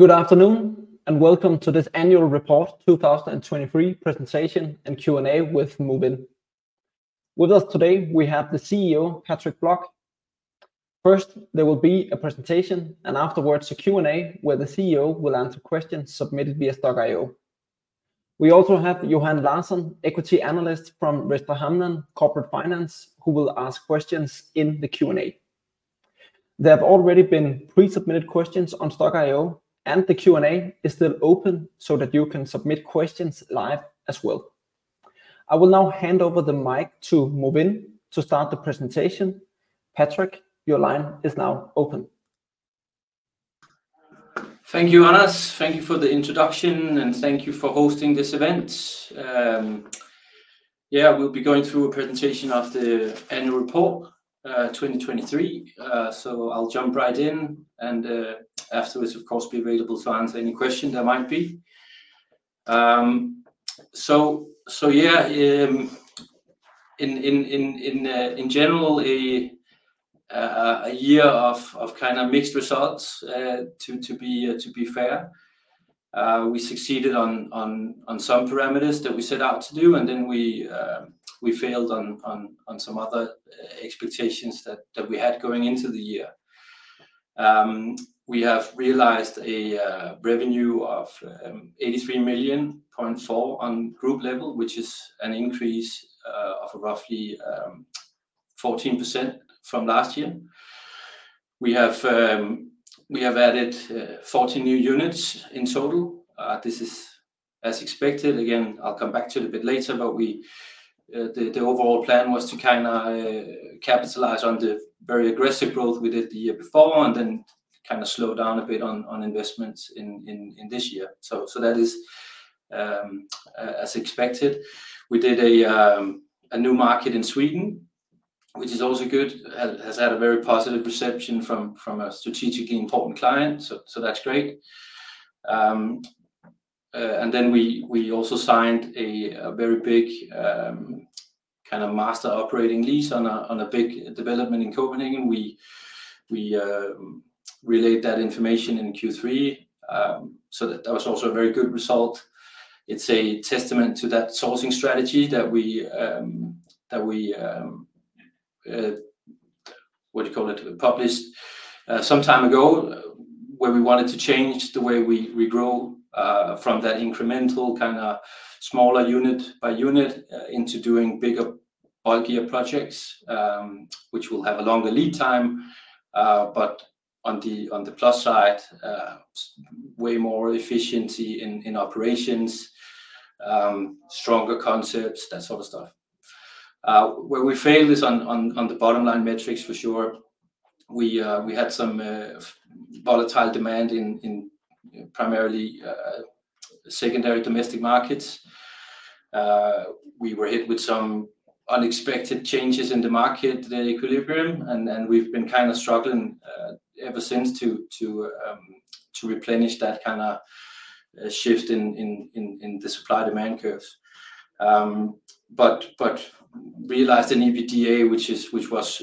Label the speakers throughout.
Speaker 1: Good afternoon and welcome to this annual report 2023 presentation and Q&A with Movinn. With us today we have CEO Patrick Blok. First there will be a presentation and afterwards a Q&A where the CEO will answer questions submitted via stokk.io. We also have Johan Larsson, equity analyst from Västra Hamnen Corporate Finance, who will ask questions in the Q&A. There have already been pre-submitted questions on stokk.io and the Q&A is still open so that you can submit questions live as well. I will now hand over the mic to Movinn to start the presentation. Patrick, your line is now open.
Speaker 2: Thank you, Hannes. Thank you for the introduction and thank you for hosting this event. Yeah, we'll be going through a presentation of the annual report 2023 so I'll jump right in and afterwards of course be available to answer any question there might be. So yeah, in general a year of kind of mixed results to be fair. We succeeded on some parameters that we set out to do and then we failed on some other expectations that we had going into the year. We have realized a revenue of 83.4 million on group level which is an increase of roughly 14% from last year. We have added 14 new units in total. This is as expected. Again, I'll come back to it a bit later but the overall plan was to kind of capitalize on the very aggressive growth we did the year before and then kind of slow down a bit on investments in this year. So that is as expected. We did a new market in Sweden which is also good. It has had a very positive reception from a strategically important client so that's great. And then we also signed a very big kind of master operating lease on a big development in Copenhagen. We relayed that information in Q3 so that was also a very good result. It's a testament to that sourcing strategy that we, what do you call it, published some time ago where we wanted to change the way we grow from that incremental kind of smaller unit by unit into doing bigger, bulkier projects which will have a longer lead time but on the plus side, way more efficiency in operations, stronger concepts, that sort of stuff. Where we failed is on the bottom line metrics for sure. We had some volatile demand in primarily secondary domestic markets. We were hit with some unexpected changes in the market equilibrium and we've been kind of struggling ever since to replenish that kind of shift in the supply-demand curves. But realized an EBITDA which was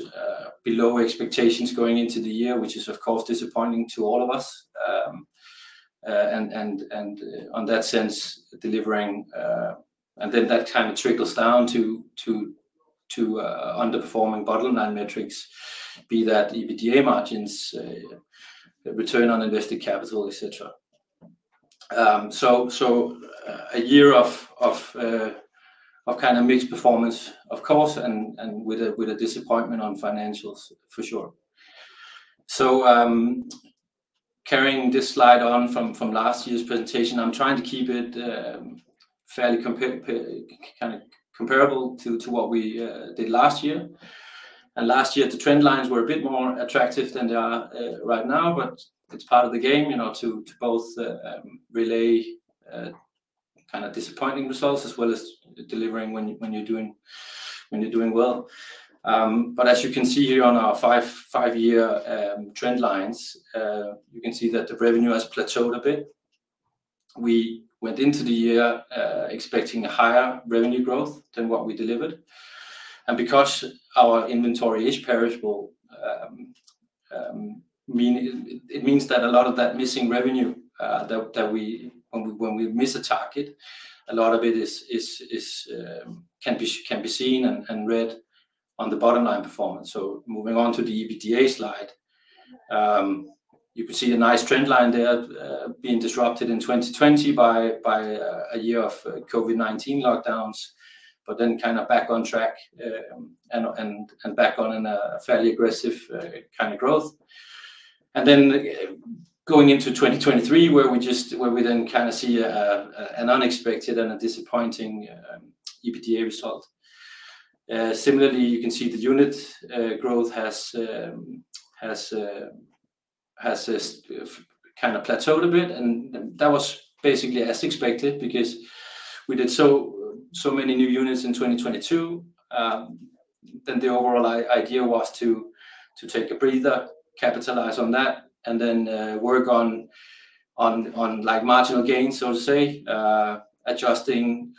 Speaker 2: below expectations going into the year, which is of course disappointing to all of us, and in that sense delivering, and then that kind of trickles down to underperforming bottom line metrics, be that EBITDA margins, return on invested capital, etc. So a year of kind of mixed performance of course and with a disappointment on financials for sure. So carrying this slide on from last year's presentation, I'm trying to keep it fairly kind of comparable to what we did last year. And last year the trend lines were a bit more attractive than they are right now, but it's part of the game to both relay kind of disappointing results as well as delivering when you're doing well. But as you can see here on our five-year trend lines, you can see that the revenue has plateaued a bit. We went into the year expecting higher revenue growth than what we delivered. Because our inventory is perishable, it means that a lot of that missing revenue—when we miss a target—a lot of it can be seen and read on the bottom line performance. Moving on to the EBITDA slide, you can see a nice trend line there being disrupted in 2020 by a year of COVID-19 lockdowns but then kind of back on track and back on in a fairly aggressive kind of growth. Then going into 2023 where we then kind of see an unexpected and a disappointing EBITDA result. Similarly, you can see the unit growth has kind of plateaued a bit and that was basically as expected because we did so many new units in 2022. Then the overall idea was to take a breather, capitalize on that, and then work on marginal gains, so to say, adjusting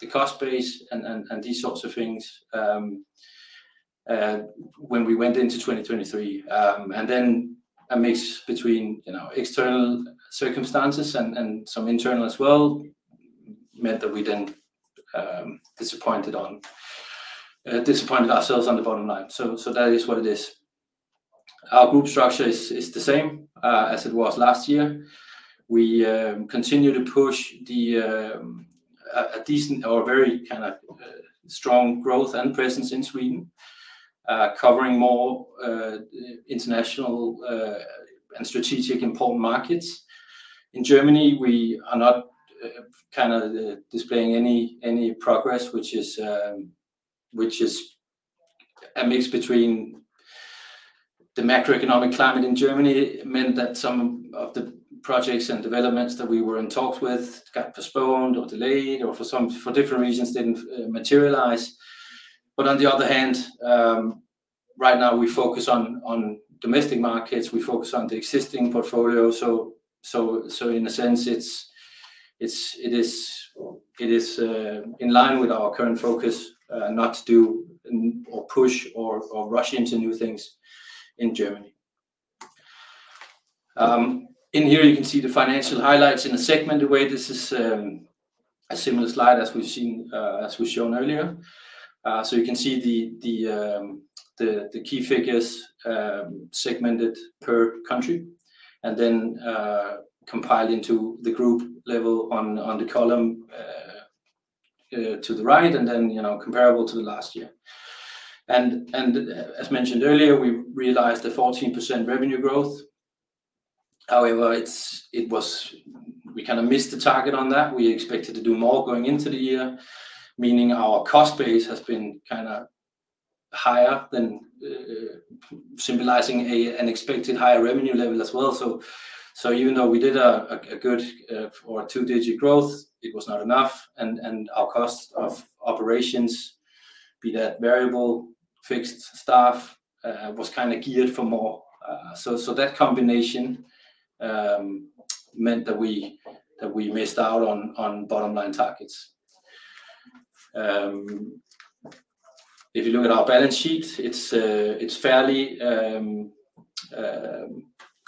Speaker 2: the cost base and these sorts of things when we went into 2023. Then a mix between external circumstances and some internal as well meant that we then disappointed ourselves on the bottom line. That is what it is. Our group structure is the same as it was last year. We continue to push a decent or very kind of strong growth and presence in Sweden, covering more international and strategic important markets. In Germany, we are not kind of displaying any progress which is a mix between the macroeconomic climate in Germany meant that some of the projects and developments that we were in talks with got postponed or delayed or for different reasons didn't materialize. But on the other hand, right now we focus on domestic markets. We focus on the existing portfolio. So in a sense, it is in line with our current focus not to do or push or rush into new things in Germany. In here, you can see the financial highlights in a segmented way. This is a similar slide as we've shown earlier. So you can see the key figures segmented per country and then compiled into the group level on the column to the right and then comparable to the last year. And as mentioned earlier, we realized a 14% revenue growth. However, we kind of missed the target on that. We expected to do more going into the year, meaning our cost base has been kind of higher than symbolizing an expected higher revenue level as well. So even though we did a good or two-digit growth, it was not enough and our cost of operations, be that variable, fixed staff, was kind of geared for more. So that combination meant that we missed out on bottom line targets. If you look at our balance sheet, it's fairly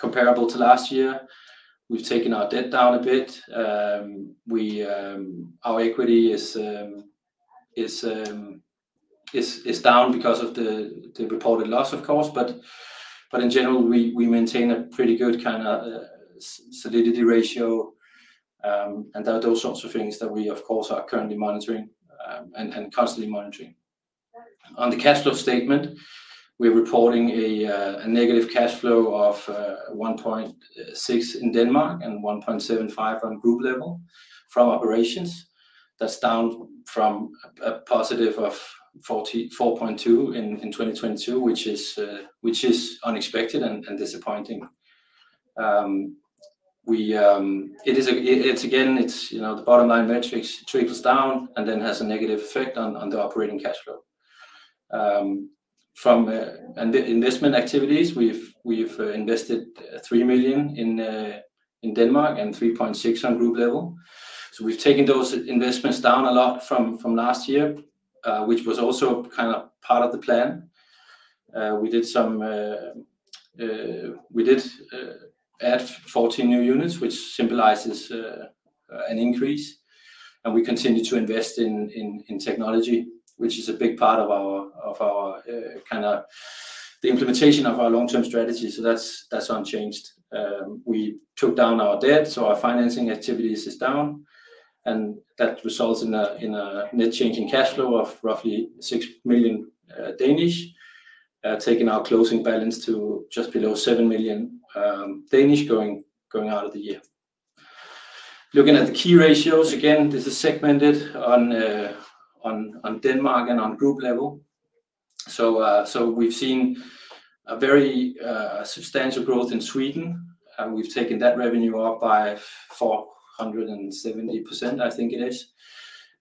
Speaker 2: comparable to last year. We've taken our debt down a bit. Our equity is down because of the reported loss, of course, but in general, we maintain a pretty good kind of solidity ratio and those sorts of things that we, of course, are currently monitoring and constantly monitoring. On the cash flow statement, we're reporting a negative cash flow of 1.6 in Denmark and 1.75 on group level from operations. That's down from a positive of 4.2 in 2022, which is unexpected and disappointing. Again, the bottom line metrics trickle down and then has a negative effect on the operating cash flow. Investment activities, we've invested 3 million in Denmark and 3.6 million on group level. So we've taken those investments down a lot from last year, which was also kind of part of the plan. We did add 14 new units, which symbolizes an increase, and we continue to invest in technology, which is a big part of kind of the implementation of our long-term strategy. So that's unchanged. We took down our debt, so our financing activities is down, and that results in a net changing cash flow of roughly 6 million, taking our closing balance to just below 7 million going out of the year. Looking at the key ratios, again, this is segmented on Denmark and on group level. So we've seen a very substantial growth in Sweden. We've taken that revenue up by 470%, I think it is.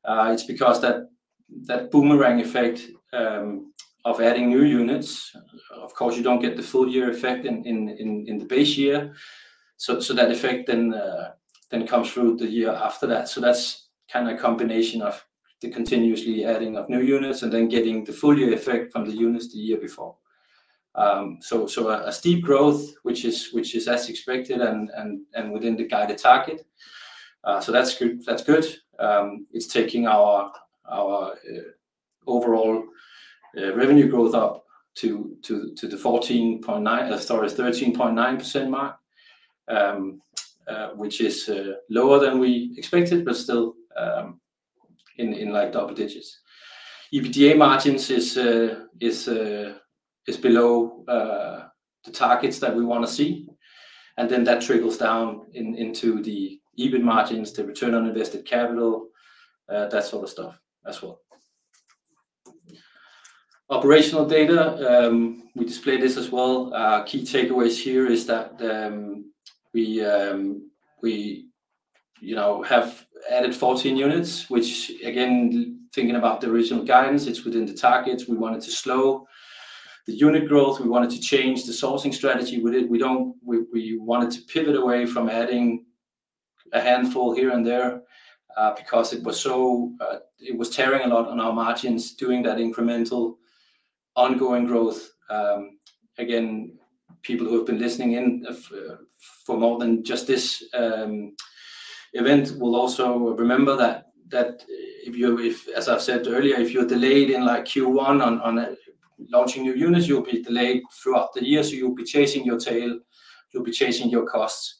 Speaker 2: It's because that boomerang effect of adding new units. Of course, you don't get the full year effect in the base year. So that effect then comes through the year after that. So that's kind of a combination of the continuously adding of new units and then getting the full year effect from the units the year before. So a steep growth, which is as expected and within the guided target. So that's good. It's taking our overall revenue growth up to the 13.9% mark, which is lower than we expected but still in double digits. EBITDA margins is below the targets that we want to see, and then that trickles down into the EBIT margins, the return on invested capital, that sort of stuff as well. Operational data, we display this as well. Key takeaways here is that we have added 14 units, which, again, thinking about the original guidance, it's within the targets. We wanted to slow the unit growth. We wanted to change the sourcing strategy with it. We wanted to pivot away from adding a handful here and there because it was tearing a lot on our margins, doing that incremental ongoing growth. Again, people who have been listening in for more than just this event will also remember that as I've said earlier, if you're delayed in Q1 on launching new units, you'll be delayed throughout the year. So you'll be chasing your tail. You'll be chasing your costs.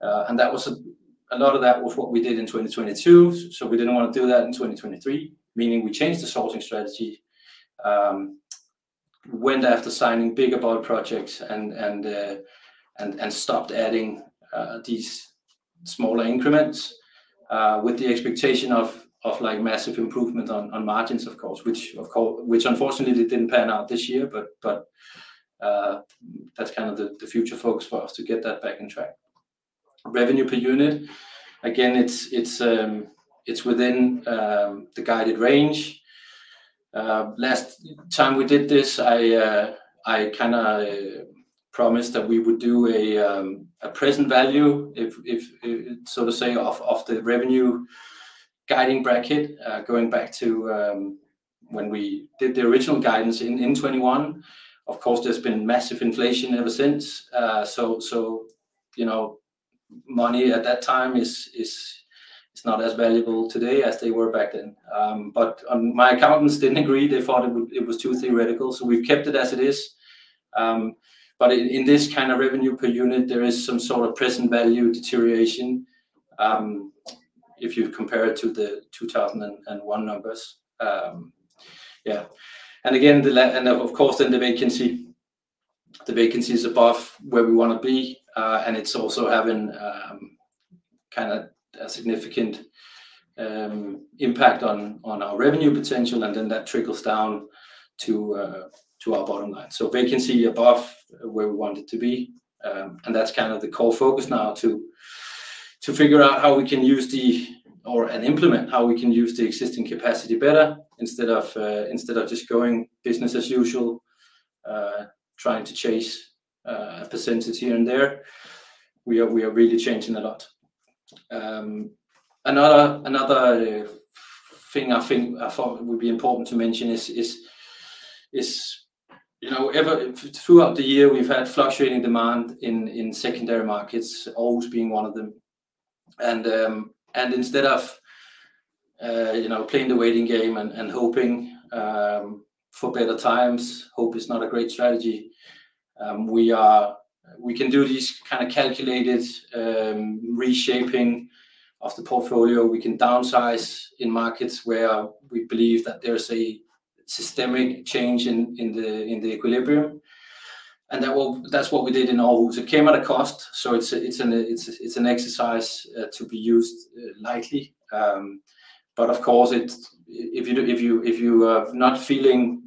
Speaker 2: And a lot of that was what we did in 2022, so we didn't want to do that in 2023, meaning we changed the sourcing strategy, went after signing bigger bulk projects, and stopped adding these smaller increments with the expectation of massive improvement on margins, of course, which unfortunately didn't pan out this year. But that's kind of the future focus for us to get that back on track. Revenue per unit, again, it's within the guided range. Last time we did this, I kind of promised that we would do a present value, so to say, of the revenue guiding bracket, going back to when we did the original guidance in 2021. Of course, there's been massive inflation ever since. So money at that time is not as valuable today as they were back then. But my accountants didn't agree. They thought it was too theoretical. So we've kept it as it is. But in this kind of revenue per unit, there is some sort of present value deterioration if you compare it to the 2001 numbers. Yeah. And again, and of course, then the vacancy is above where we want to be, and it's also having kind of a significant impact on our revenue potential, and then that trickles down to our bottom line. So vacancy above where we want it to be. And that's kind of the core focus now to figure out how we can use the or implement how we can use the existing capacity better instead of just going business as usual, trying to chase percentage here and there. We are really changing a lot. Another thing I thought would be important to mention is throughout the year, we've had fluctuating demand in secondary markets, always being one of them. Instead of playing the waiting game and hoping for better times, hope is not a great strategy, we can do these kind of calculated reshaping of the portfolio. We can downsize in markets where we believe that there's a systemic change in the equilibrium. That's what we did in Aarhus. It came at a cost, so it's an exercise to be used lightly. But of course, if you're not feeling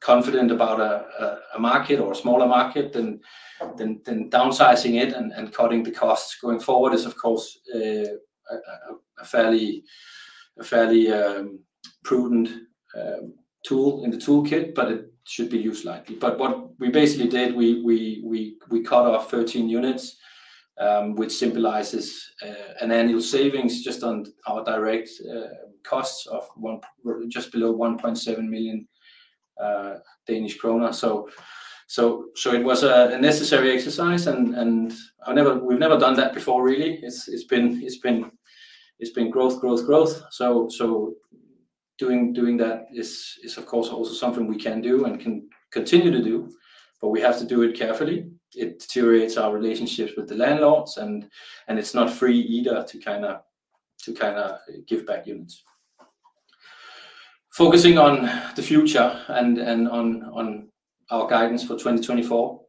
Speaker 2: confident about a market or a smaller market, then downsizing it and cutting the costs going forward is, of course, a fairly prudent tool in the toolkit, but it should be used lightly. But what we basically did, we cut off 13 units, which symbolizes an annual savings just on our direct costs of just below 1.7 million Danish kroner. So it was a necessary exercise, and we've never done that before, really. It's been growth, growth, growth. So doing that is, of course, also something we can do and can continue to do, but we have to do it carefully. It deteriorates our relationships with the landlords, and it's not free either to kind of give back units. Focusing on the future and on our guidance for 2024,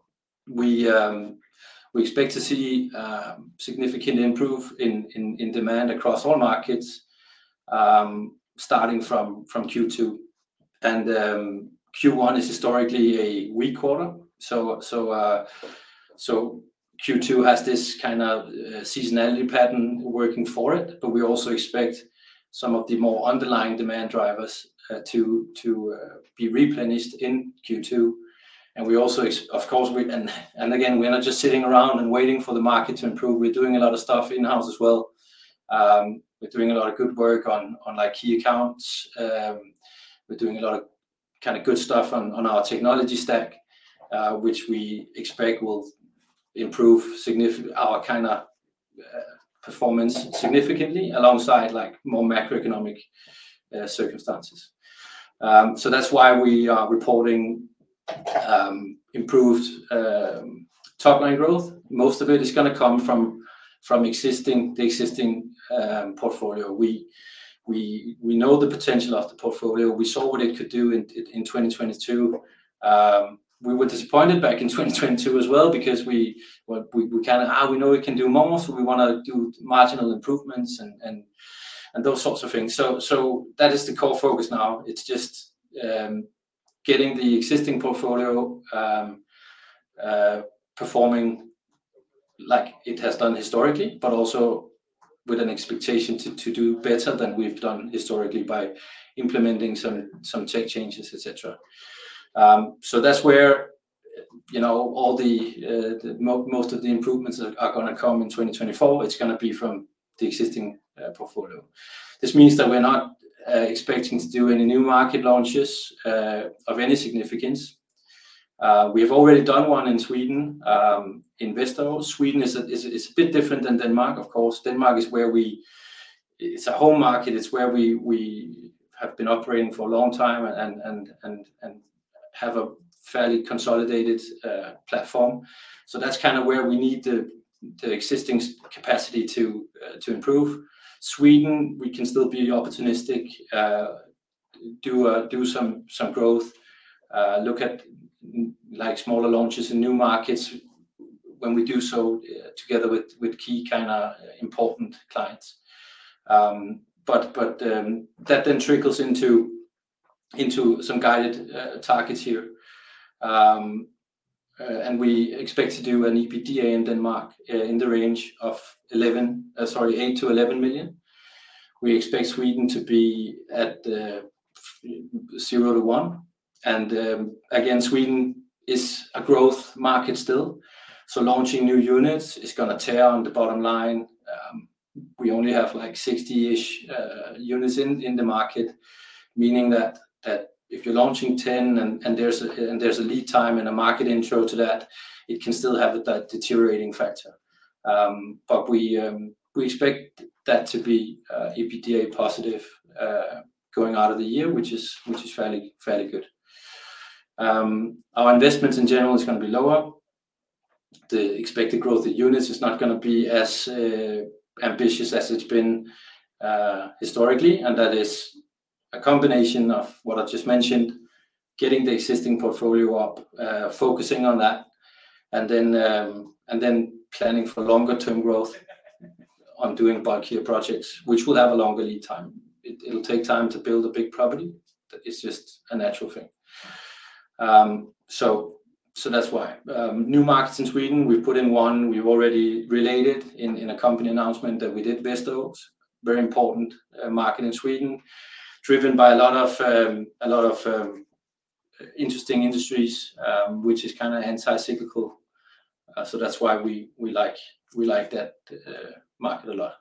Speaker 2: we expect to see a significant improve in demand across all markets starting from Q2. Q1 is historically a weak quarter, so Q2 has this kind of seasonality pattern working for it. We also expect some of the more underlying demand drivers to be replenished in Q2. Of course, and again, we're not just sitting around and waiting for the market to improve. We're doing a lot of stuff in-house as well. We're doing a lot of good work on key accounts. We're doing a lot of kind of good stuff on our technology stack, which we expect will improve our kind of performance significantly alongside more macroeconomic circumstances. So that's why we are reporting improved top-line growth. Most of it is going to come from the existing portfolio. We know the potential of the portfolio. We saw what it could do in 2022. We were disappointed back in 2022 as well because we kind of, we know it can do more, so we want to do marginal improvements, and those sorts of things. So that is the core focus now. It's just getting the existing portfolio performing like it has done historically, but also with an expectation to do better than we've done historically by implementing some tech changes, etc. So that's where all the most of the improvements are going to come in 2024. It's going to be from the existing portfolio. This means that we're not expecting to do any new market launches of any significance. We have already done one in Sweden, Investo. Sweden is a bit different than Denmark, of course. Denmark is where it's a home market. It's where we have been operating for a long time and have a fairly consolidated platform. So that's kind of where we need the existing capacity to improve. Sweden, we can still be opportunistic, do some growth, look at smaller launches in new markets when we do so together with key kind of important clients. But that then trickles into some guided targets here. And we expect to do an EBITDA in Denmark in the range of 8 million to 11 million. We expect Sweden to be at 0 million to 1 million. And again, Sweden is a growth market still. So launching new units is going to tear on the bottom line. We only have 60-ish units in the market, meaning that if you're launching 10 and there's a lead time and a market intro to that, it can still have that deteriorating factor. But we expect that to be EBITDA positive going out of the year, which is fairly good. Our investments in general are going to be lower. The expected growth of units is not going to be as ambitious as it's been historically. And that is a combination of what I just mentioned, getting the existing portfolio up, focusing on that, and then planning for longer-term growth on doing bulkier projects, which will have a longer lead time. It'll take time to build a big property. It's just a natural thing. So that's why. New markets in Sweden, we've put in 1. We've already relayed it in a company announcement that we did, Västerås. Very important market in Sweden, driven by a lot of interesting industries, which is kind of anti-cyclical. So that's why we like that market a lot.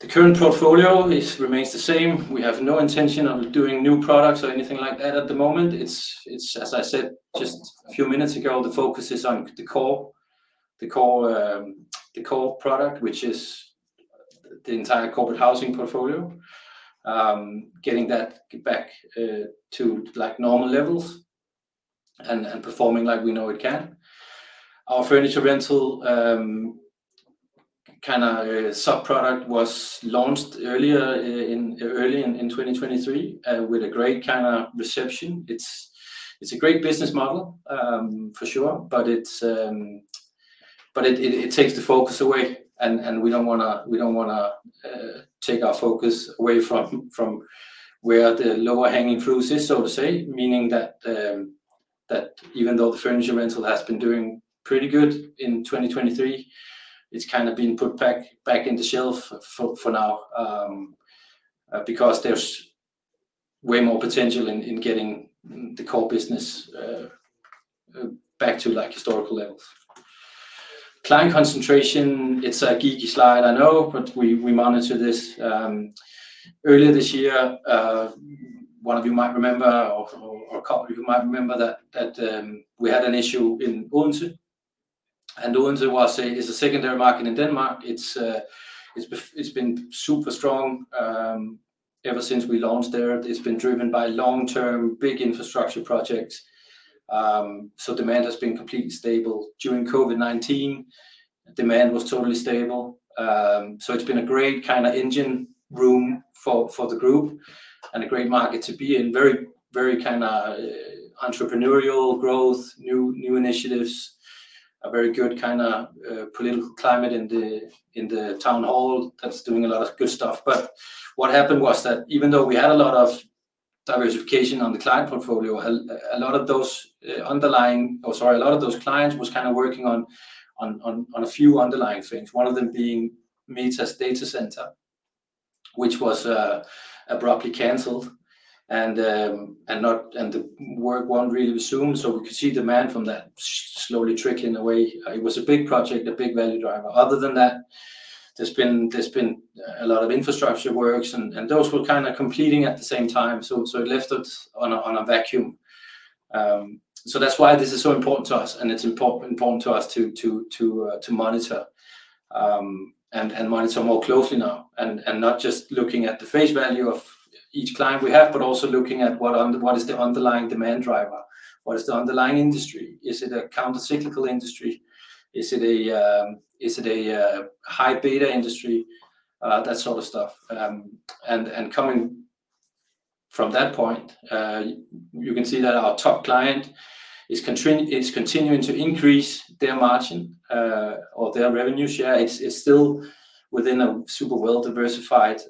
Speaker 2: The current portfolio remains the same. We have no intention of doing new products or anything like that at the moment. As I said just a few minutes ago, the focus is on the core product, which is the entire corporate housing portfolio, getting that back to normal levels and performing like we know it can. Our furniture rental kind of subproduct was launched early in 2023 with a great kind of reception. It's a great business model, for sure, but it takes the focus away. We don't want to take our focus away from where the lower hanging fruit is, so to say, meaning that even though the furniture rental has been doing pretty good in 2023, it's kind of been put back on the shelf for now because there's way more potential in getting the core business back to historical levels. Client concentration, it's a geeky slide, I know, but we monitor this. Earlier this year, one of you might remember, or a couple of you might remember, that we had an issue in Odense. Odense is a secondary market in Denmark. It's been super strong ever since we launched there. It's been driven by long-term, big infrastructure projects. Demand has been completely stable. During COVID-19, demand was totally stable. So it's been a great kind of engine room for the group and a great market to be in, very kind of entrepreneurial growth, new initiatives, a very good kind of political climate in the town hall that's doing a lot of good stuff. But what happened was that even though we had a lot of diversification on the client portfolio, a lot of those underlying oh, sorry, a lot of those clients was kind of working on a few underlying things, one of them being Meta's data center, which was abruptly canceled and the work won't really resume. So we could see demand from that slowly trickling away. It was a big project, a big value driver. Other than that, there's been a lot of infrastructure works, and those were kind of completing at the same time. So it left us on a vacuum. So that's why this is so important to us, and it's important to us to monitor and monitor more closely now and not just looking at the face value of each client we have, but also looking at what is the underlying demand driver? What is the underlying industry? Is it a countercyclical industry? Is it a high beta industry? That sort of stuff. And coming from that point, you can see that our top client is continuing to increase their margin or their revenue share. It's still within a super well-diversified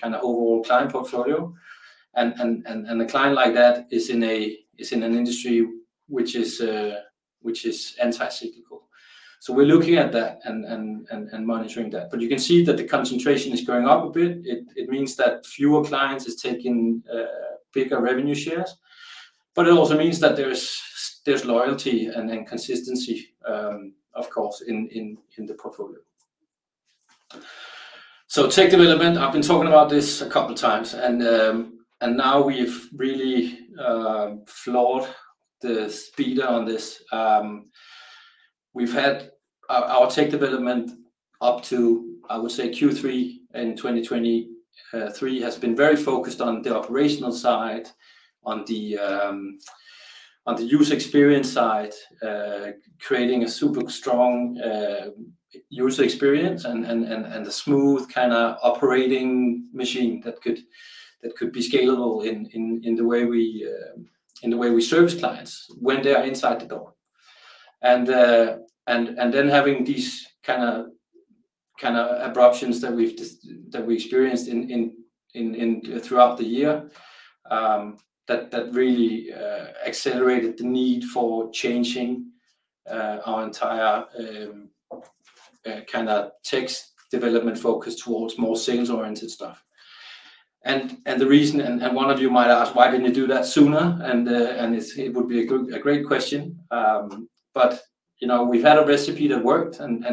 Speaker 2: kind of overall client portfolio. And a client like that is in an industry which is anti-cyclical. So we're looking at that and monitoring that. But you can see that the concentration is going up a bit. It means that fewer clients are taking bigger revenue shares. But it also means that there's loyalty and consistency, of course, in the portfolio. So tech development, I've been talking about this a couple of times, and now we've really floored the accelerator on this. We've had our tech development up to, I would say, Q3 in 2023 has been very focused on the operational side, on the user experience side, creating a super strong user experience and a smooth kind of operating machine that could be scalable in the way we service clients when they are inside the door. And then having these kind of disruptions that we experienced throughout the year that really accelerated the need for changing our entire kind of tech development focus towards more sales-oriented stuff. And one of you might ask, "Why didn't you do that sooner?" And it would be a great question. But we've had a recipe that worked, and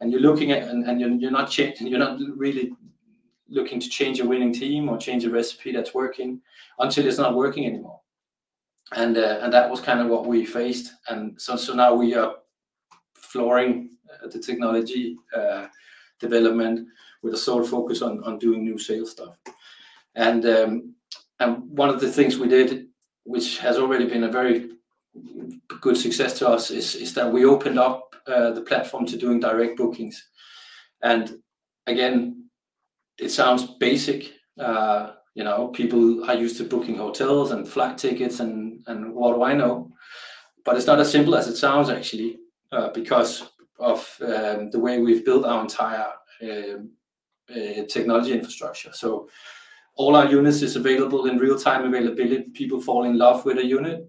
Speaker 2: you're looking at and you're not really looking to change a winning team or change a recipe that's working until it's not working anymore. And that was kind of what we faced. And so now we are flooring the technology development with a sole focus on doing new sales stuff. And one of the things we did, which has already been a very good success to us, is that we opened up the platform to doing direct bookings. And again, it sounds basic. People are used to booking hotels and flight tickets and what do I know. But it's not as simple as it sounds, actually, because of the way we've built our entire technology infrastructure. So all our units are available in real-time availability. People fall in love with a unit.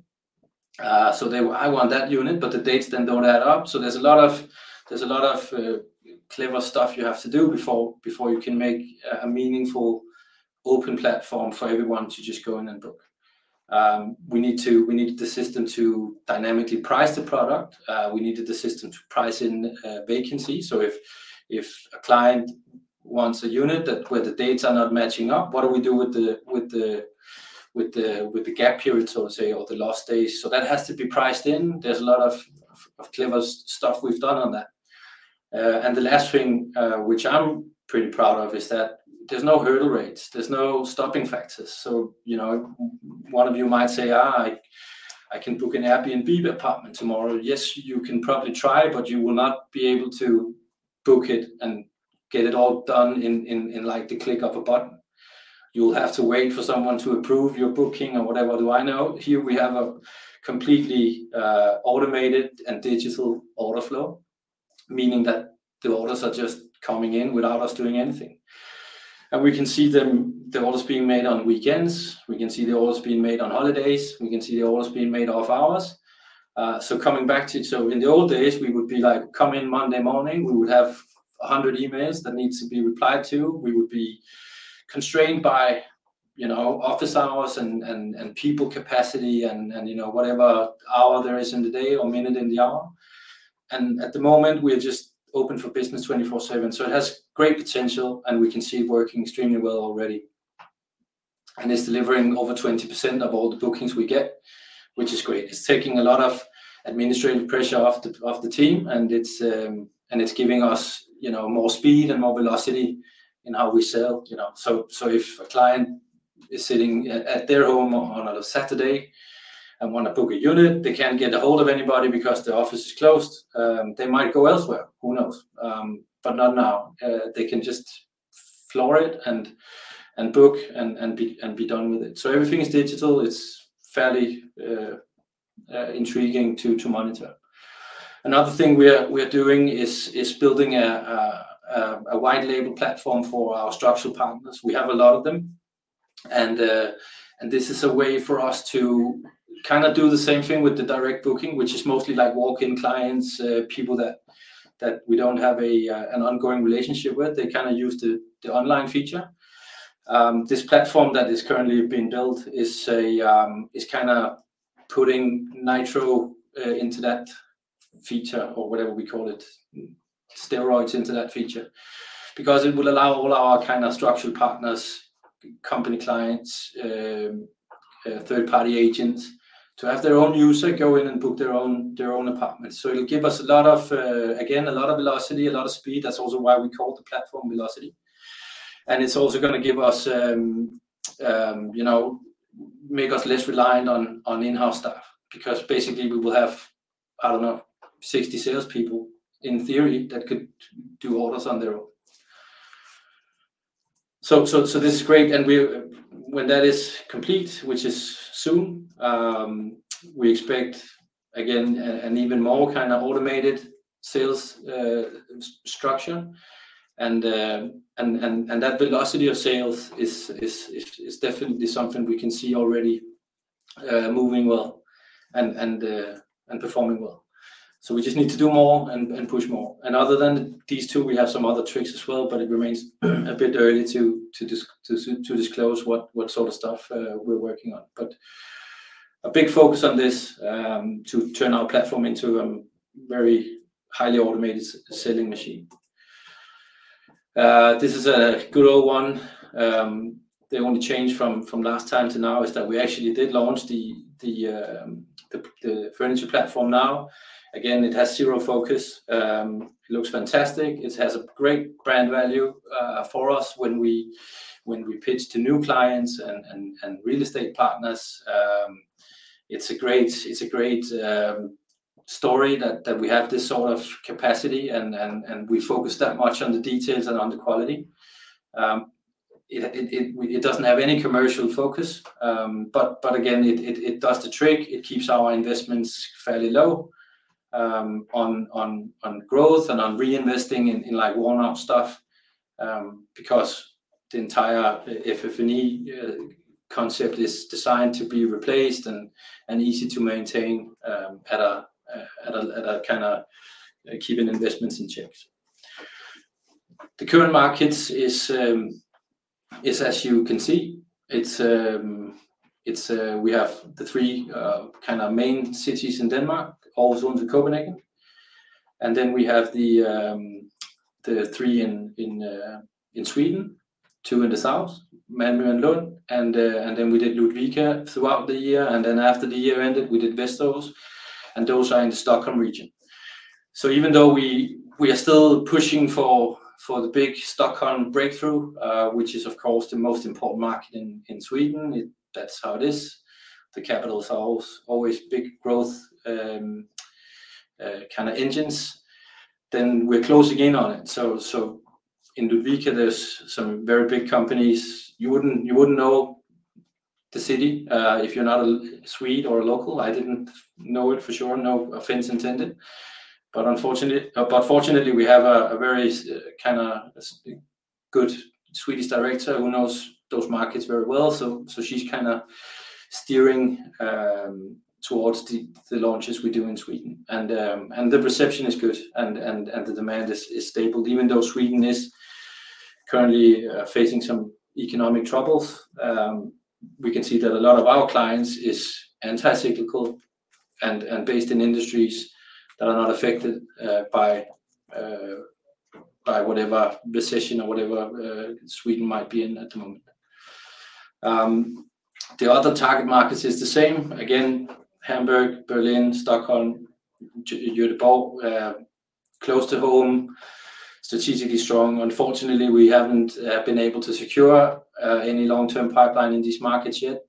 Speaker 2: So they want, "I want that unit," but the dates then don't add up. So there's a lot of clever stuff you have to do before you can make a meaningful open platform for everyone to just go in and book. We needed the system to dynamically price the product. We needed the system to price in vacancies. So if a client wants a unit where the dates are not matching up, what do we do with the gap period, so to say, or the lost days? So that has to be priced in. There's a lot of clever stuff we've done on that. And the last thing which I'm pretty proud of is that there's no hurdle rates. There's no stopping factors. So one of you might say, "I can book an Airbnb apartment tomorrow." Yes, you can probably try, but you will not be able to book it and get it all done in the click of a button. You'll have to wait for someone to approve your booking or whatever. Do I know? Here, we have a completely automated and digital order flow, meaning that the orders are just coming in without us doing anything. And we can see the orders being made on weekends. We can see the orders being made on holidays. We can see the orders being made off hours. So coming back to it, so in the old days, we would be like, "Come in Monday morning." We would have 100 emails that need to be replied to. We would be constrained by office hours and people capacity and whatever hour there is in the day or minute in the hour. At the moment, we are just open for business 24/7. It has great potential, and we can see it working extremely well already. It's delivering over 20% of all the bookings we get, which is great. It's taking a lot of administrative pressure off the team, and it's giving us more speed and more velocity in how we sell. If a client is sitting at their home on a Saturday and want to book a unit, they can't get a hold of anybody because their office is closed, they might go elsewhere. Who knows? Not now. They can just floor it and book and be done with it. Everything is digital. It's fairly intriguing to monitor. Another thing we are doing is building a white-label platform for our structural partners. We have a lot of them. This is a way for us to kind of do the same thing with the direct booking, which is mostly walk-in clients, people that we don't have an ongoing relationship with. They kind of use the online feature. This platform that is currently being built is kind of putting nitro into that feature or whatever we call it, steroids into that feature because it will allow all our kind of structural partners, company clients, third-party agents to have their own user go in and book their own apartments. So it'll give us a lot of, again, a lot of velocity, a lot of speed. That's also why we call the platform Velocity. It's also going to make us less reliant on in-house staff because basically, we will have, I don't know, 60 salespeople in theory that could do orders on their own. So this is great. When that is complete, which is soon, we expect, again, an even more kind of automated sales structure. And that Velocity of sales is definitely something we can see already moving well and performing well. So we just need to do more and push more. Other than these two, we have some other tricks as well, but it remains a bit early to disclose what sort of stuff we're working on. But a big focus on this to turn our platform into a very highly automated selling machine. This is a good old one. The only change from last time to now is that we actually did launch the furniture platform now. Again, it has zero focus. It looks fantastic. It has a great brand value for us when we pitch to new clients and real estate partners. It's a great story that we have this sort of capacity, and we focus that much on the details and on the quality. It doesn't have any commercial focus. But again, it does the trick. It keeps our investments fairly low on growth and on reinvesting in worn-out stuff because the entire FF&E concept is designed to be replaced and easy to maintain at a kind of keeping investments in check. The current market is, as you can see, we have the three kind of main cities in Denmark, Aarhus, Odense, and Copenhagen. We have the three in Sweden, two in the south, Malmö and Lund. We did Ludvika throughout the year. After the year ended, we did Västerås. Those are in the Stockholm region. Even though we are still pushing for the big Stockholm breakthrough, which is, of course, the most important market in Sweden, that's how it is. The capital is always big growth kind of engines. We're closing in on it. In Ludvika, there's some very big companies. You wouldn't know the city if you're not a Swede or a local. I didn't know it for sure. No offense intended. Fortunately, we have a very kind of good Swedish director who knows those markets very well. She's kind of steering towards the launches we do in Sweden. The reception is good, and the demand is stable. Even though Sweden is currently facing some economic troubles, we can see that a lot of our clients are anti-cyclical and based in industries that are not affected by whatever recession or whatever Sweden might be in at the moment. The other target markets are the same. Again, Hamburg, Berlin, Stockholm, Göteborg, close to home, strategically strong. Unfortunately, we haven't been able to secure any long-term pipeline in these markets yet.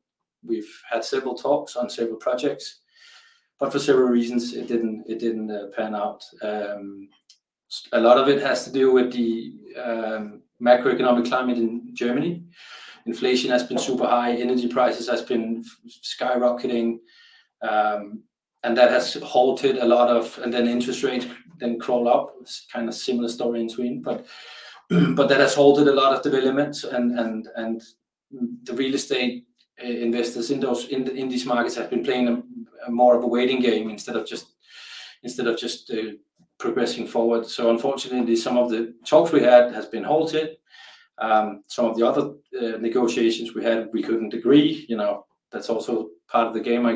Speaker 2: We've had several talks on several projects, but for several reasons, it didn't pan out. A lot of it has to do with the macroeconomic climate in Germany. Inflation has been super high. Energy prices have been skyrocketing. And that has halted a lot, and then interest rates crawl up. It's kind of a similar story in Sweden. But that has halted a lot of developments. And the real estate investors in these markets have been playing more of a waiting game instead of just progressing forward. So unfortunately, some of the talks we had have been halted. Some of the other negotiations we had, we couldn't agree. That's also part of the game,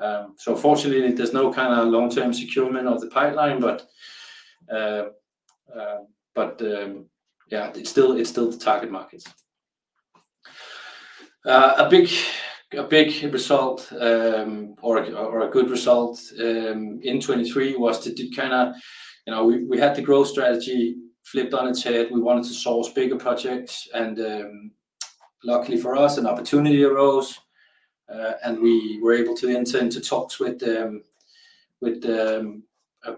Speaker 2: I guess. So fortunately, there's no kind of long-term securement of the pipeline. But yeah, it's still the target markets. A big result or a good result in 2023 was to kind of we had the growth strategy flipped on its head. We wanted to source bigger projects. And luckily for us, an opportunity arose, and we were able to enter into talks with a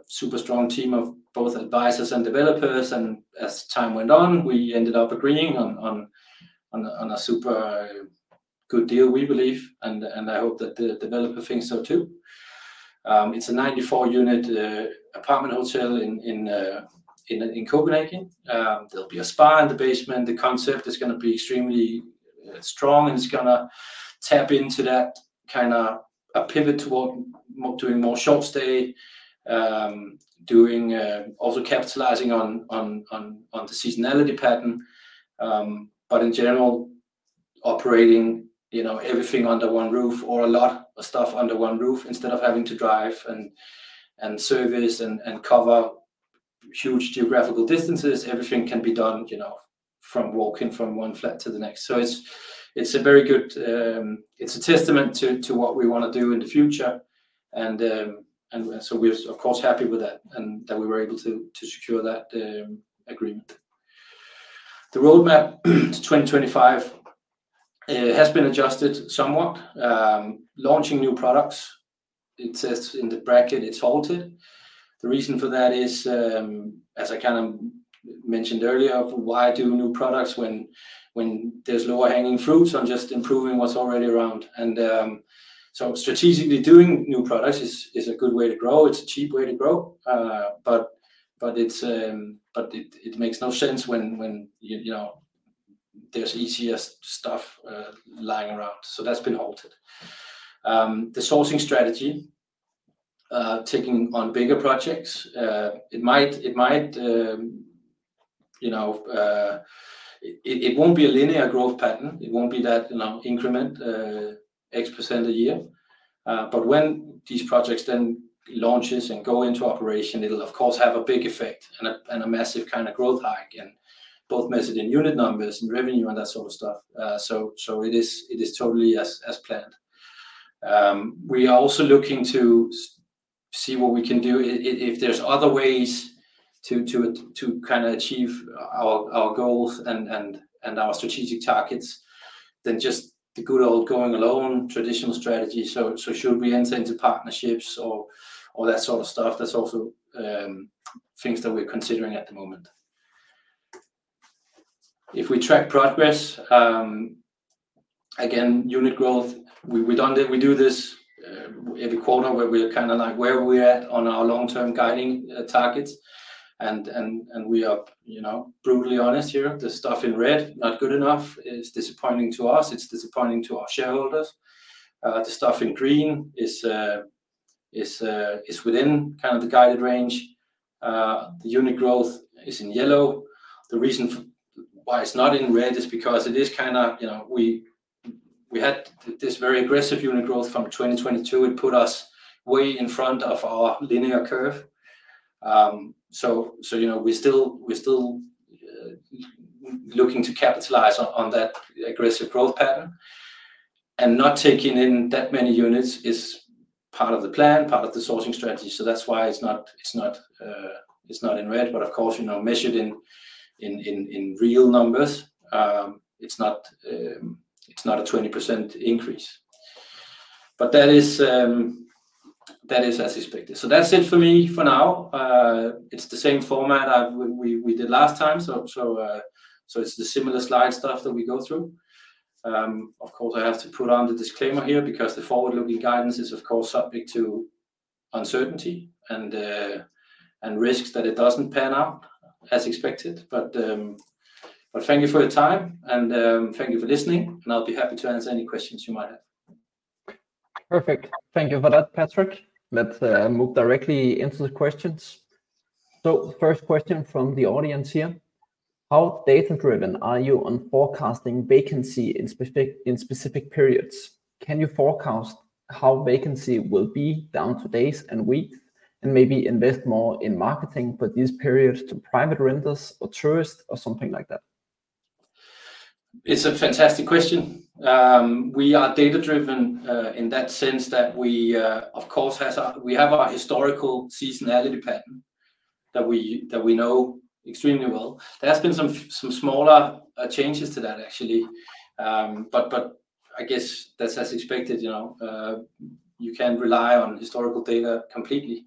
Speaker 2: super strong team of both advisors and developers. And as time went on, we ended up agreeing on a super good deal, we believe. And I hope that the developer thinks so too. It's a 94-unit apartment hotel in Copenhagen. There'll be a spa in the basement. The concept is going to be extremely strong, and it's going to tap into that kind of a pivot toward doing more short-stay, also capitalizing on the seasonality pattern, but in general, operating everything under one roof or a lot of stuff under one roof instead of having to drive and service and cover huge geographical distances. Everything can be done from walking from one flat to the next. So it's a testament to what we want to do in the future. And so we're, of course, happy with that and that we were able to secure that agreement. The roadmap to 2025 has been adjusted somewhat. Launching new products, it says in the bracket, it's halted. The reason for that is, as I kind of mentioned earlier, why do new products when there's lower hanging fruits on just improving what's already around? And so strategically doing new products is a good way to grow. It's a cheap way to grow. But it makes no sense when there's easier stuff lying around. So that's been halted. The sourcing strategy, taking on bigger projects, it won't be a linear growth pattern. It won't be that increment X% a year. But when these projects then launch and go into operation, it'll, of course, have a big effect and a massive kind of growth hike and both metrics in unit numbers and revenue and that sort of stuff. So it is totally as planned. We are also looking to see what we can do. If there's other ways to kind of achieve our goals and our strategic targets, then just the good old going alone, traditional strategy. So should we enter into partnerships or that sort of stuff? That's also things that we're considering at the moment. If we track progress, again, unit growth, we do this every quarter where we're kind of like, "Where are we at on our long-term guiding targets?" We are brutally honest here. The stuff in red, not good enough, is disappointing to us. It's disappointing to our shareholders. The stuff in green is within kind of the guided range. The unit growth is in yellow. The reason why it's not in red is because it is kind of we had this very aggressive unit growth from 2022. It put us way in front of our linear curve. We're still looking to capitalize on that aggressive growth pattern. Not taking in that many units is part of the plan, part of the sourcing strategy. That's why it's not in red. Of course, measured in real numbers, it's not a 20% increase. That is as expected. That's it for me for now. It's the same format we did last time. It's the similar slide stuff that we go through. Of course, I have to put on the disclaimer here because the forward-looking guidance is, of course, subject to uncertainty and risks that it doesn't pan out as expected. Thank you for your time, and thank you for listening. I'll be happy to answer any questions you might have.
Speaker 1: Perfect. Thank you for that, Patrick. Let's move directly into the questions. So first question from the audience here. How data-driven are you on forecasting vacancy in specific periods? Can you forecast how vacancy will be down to days and weeks and maybe invest more in marketing for these periods to private renters or tourists or something like that?
Speaker 2: It's a fantastic question. We are data-driven in that sense that we, of course, have our historical seasonality pattern that we know extremely well. There have been some smaller changes to that, actually. But I guess that's as expected. You can't rely on historical data completely.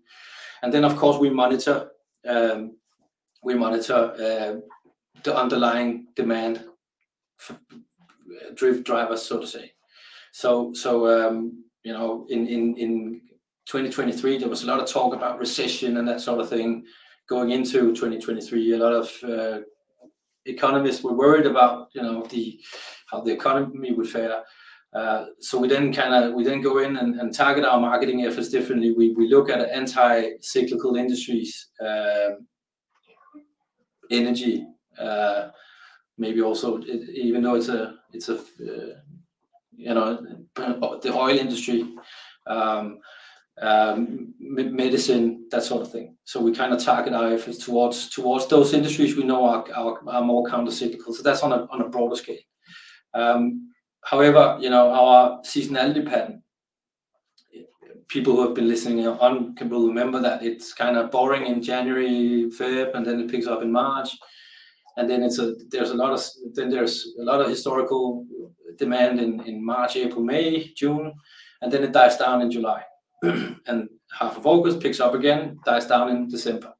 Speaker 2: And then, of course, we monitor the underlying demand drivers, so to say. So in 2023, there was a lot of talk about recession and that sort of thing going into 2023. A lot of economists were worried about how the economy would fare. So we then kind of go in and target our marketing efforts differently. We look at anti-cyclical industries, energy, maybe also, even though it's the oil industry, medicine, that sort of thing. So we kind of target our efforts towards those industries we know are more countercyclical. So that's on a broader scale. However, our seasonality pattern, people who have been listening on can remember that it's kind of boring in January, February, and then it picks up in March. And then there's a lot of historical demand in March, April, May, June. And then it dies down in July. And half of August picks up again, dies down in December.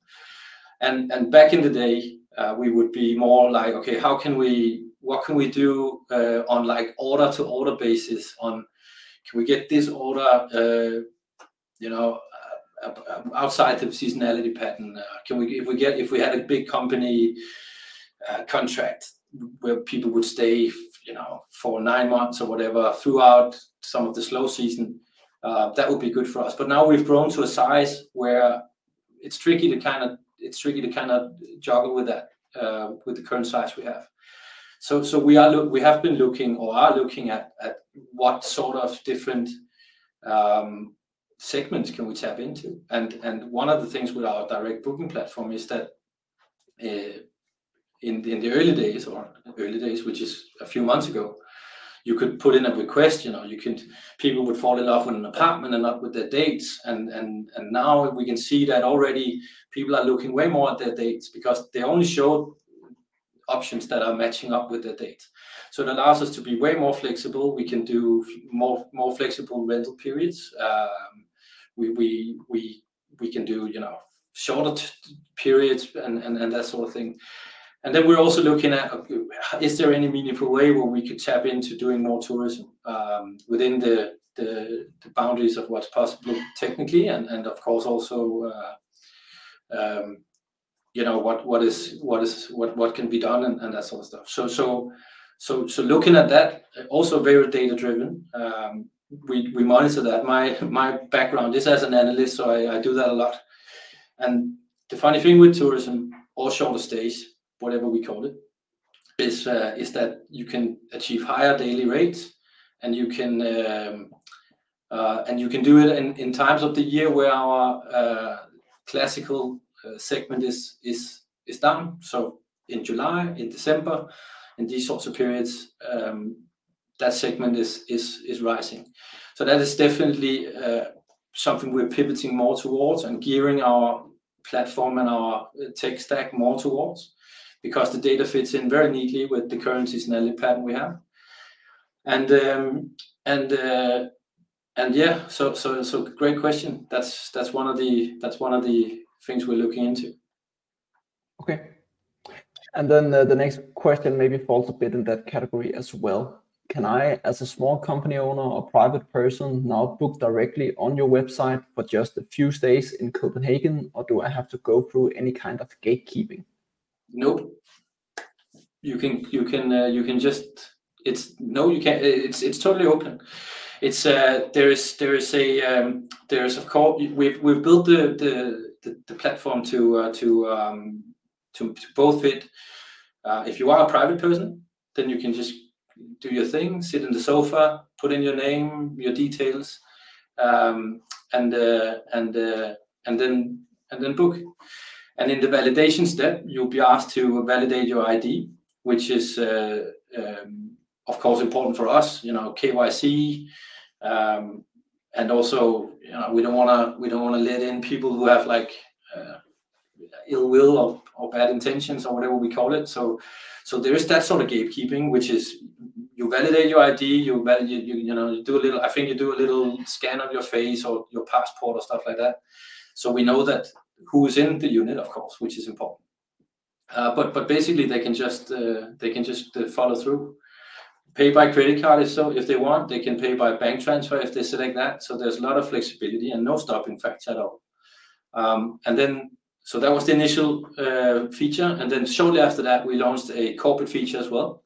Speaker 2: And back in the day, we would be more like, "Okay, what can we do on order-to-order basis? Can we get this order outside the seasonality pattern? If we had a big company contract where people would stay for nine months or whatever throughout some of the slow season, that would be good for us." But now we've grown to a size where it's tricky to kind of juggle with that, with the current size we have. So we have been looking or are looking at what sort of different segments can we tap into? And one of the things with our direct booking platform is that in the early days or early days, which is a few months ago, you could put in a request, or people would fall in love with an apartment and not with their dates. And now we can see that already, people are looking way more at their dates because they only show options that are matching up with their dates. So it allows us to be way more flexible. We can do more flexible rental periods. We can do shorter periods and that sort of thing. And then we're also looking at, is there any meaningful way where we could tap into doing more tourism within the boundaries of what's possible technically? And of course, also, what can be done and that sort of stuff? So looking at that, also very data-driven. We monitor that. My background is as an analyst, so I do that a lot. And the funny thing with tourism, all shorter stays, whatever we call it, is that you can achieve higher daily rates, and you can do it in times of the year where our classical segment is down. So in July, in December, in these sorts of periods, that segment is rising. So that is definitely something we're pivoting more towards and gearing our platform and our tech stack more towards because the data fits in very neatly with the current seasonality pattern we have. And yeah, so great question. That's one of the things we're looking into.
Speaker 1: Okay. The next question maybe falls a bit in that category as well. Can I, as a small company owner or private person, now book directly on your website for just a few stays in Copenhagen, or do I have to go through any kind of gatekeeping?
Speaker 2: Nope. You can just no, you can't. It's totally open. There is, of course, we've built the platform to both fit. If you are a private person, then you can just do your thing, sit in the sofa, put in your name, your details, and then book. And in the validation step, you'll be asked to validate your ID, which is, of course, important for us, KYC. And also, we don't want to let in people who have ill will or bad intentions or whatever we call it. So there is that sort of gatekeeping, which is you validate your ID. You do a little, I think, you do a little scan of your face or your passport or stuff like that. So we know who is in the unit, of course, which is important. But basically, they can just follow through. Pay by credit card if they want. They can pay by bank transfer if they select that. So there's a lot of flexibility and no sticking points at all. So that was the initial feature. And then shortly after that, we launched a corporate feature as well.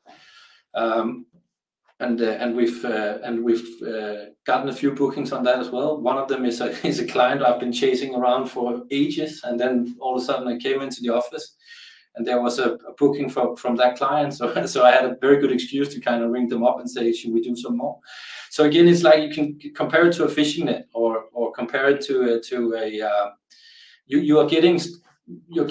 Speaker 2: And we've gotten a few bookings on that as well. One of them is a client I've been chasing around for ages. And then all of a sudden, I came into the office, and there was a booking from that client. So I had a very good excuse to kind of ring them up and say, "Should we do some more?" So again, it's like you can compare it to a fishing net, or you're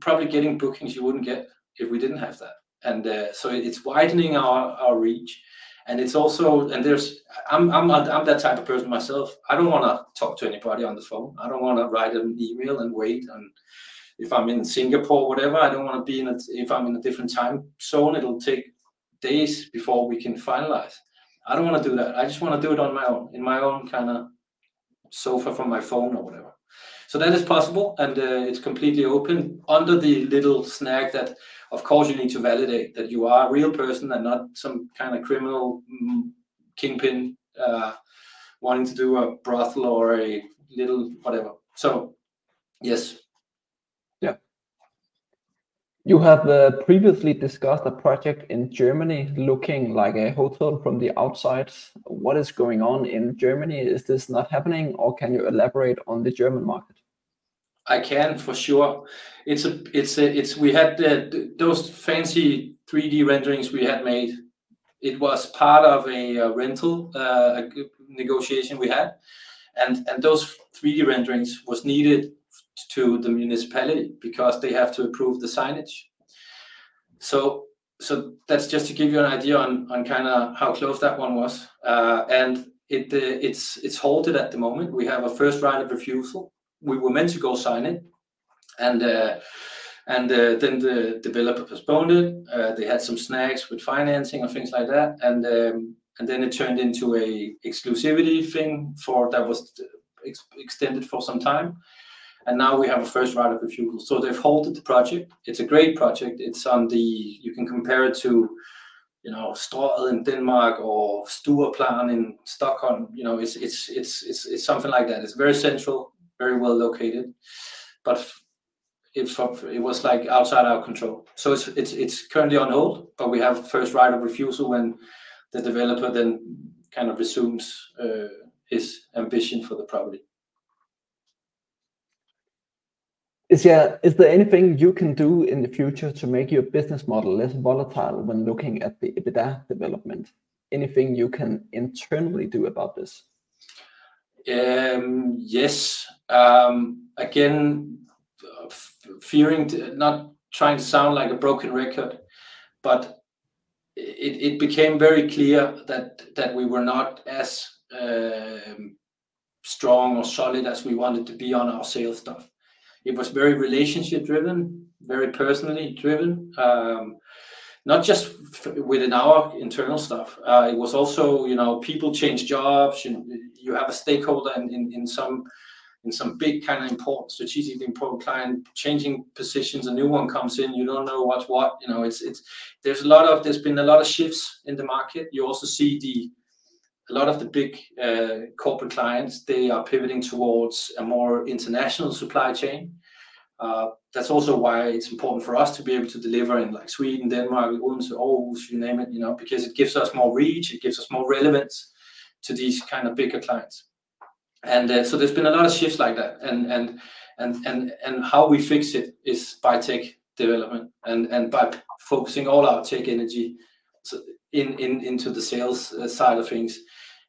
Speaker 2: probably getting bookings you wouldn't get if we didn't have that. And so it's widening our reach. And there's—I'm that type of person myself. I don't want to talk to anybody on the phone. I don't want to write an email and wait. And if I'm in Singapore, whatever, I don't want to be in a if I'm in a different time zone, it'll take days before we can finalize. I don't want to do that. I just want to do it on my own, in my own kind of sofa from my phone or whatever. So that is possible, and it's completely open under the little snag that, of course, you need to validate that you are a real person and not some kind of criminal kingpin wanting to do a brothel or a little whatever. So yes.
Speaker 1: Yeah. You have previously discussed a project in Germany looking like a hotel from the outside. What is going on in Germany? Is this not happening, or can you elaborate on the German market?
Speaker 2: I can, for sure. We had those fancy 3D renderings we had made. It was part of a rental negotiation we had. Those 3D renderings were needed to the municipality because they have to approve the signage. So that's just to give you an idea on kind of how close that one was. It's halted at the moment. We have a first right of refusal. We were meant to go sign it, and then the developer postponed it. They had some snags with financing or things like that. Then it turned into an exclusivity thing that was extended for some time. Now we have a first right of refusal. So they've halted the project. It's a great project. You can compare it to Strøget in Denmark or Stureplan in Stockholm. It's something like that. It's very central, very well located. But it was outside our control. So it's currently on hold, but we have right of first refusal when the developer then kind of resumes his ambition for the property.
Speaker 1: Yeah. Is there anything you can do in the future to make your business model less volatile when looking at the EBITDA development? Anything you can internally do about this?
Speaker 2: Yes. Again, not trying to sound like a broken record, but it became very clear that we were not as strong or solid as we wanted to be on our sales stuff. It was very relationship-driven, very personally driven, not just within our internal stuff. It was also people change jobs. You have a stakeholder in some big kind of important, strategically important client changing positions. A new one comes in. You don't know what's what. There's been a lot of shifts in the market. You also see a lot of the big corporate clients, they are pivoting towards a more international supply chain. That's also why it's important for us to be able to deliver in Sweden, Denmark, Odense, Aarhus, you name it, because it gives us more reach. It gives us more relevance to these kind of bigger clients. There's been a lot of shifts like that. How we fix it is by tech development and by focusing all our tech energy into the sales side of things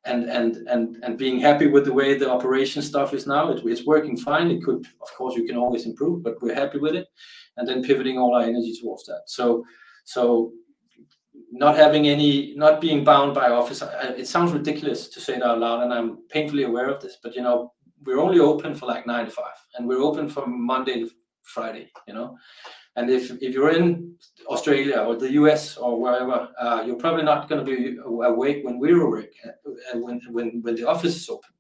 Speaker 2: and being happy with the way the operation stuff is now. It's working fine. Of course, you can always improve, but we're happy with it and then pivoting all our energy towards that. So not being bound by office it sounds ridiculous to say that out loud, and I'm painfully aware of this, but we're only open for like 9:00 A.M. to 5:00 P.M., and we're open from Monday to Friday. And if you're in Australia or the U.S. or wherever, you're probably not going to be awake when we're awake when the office is open.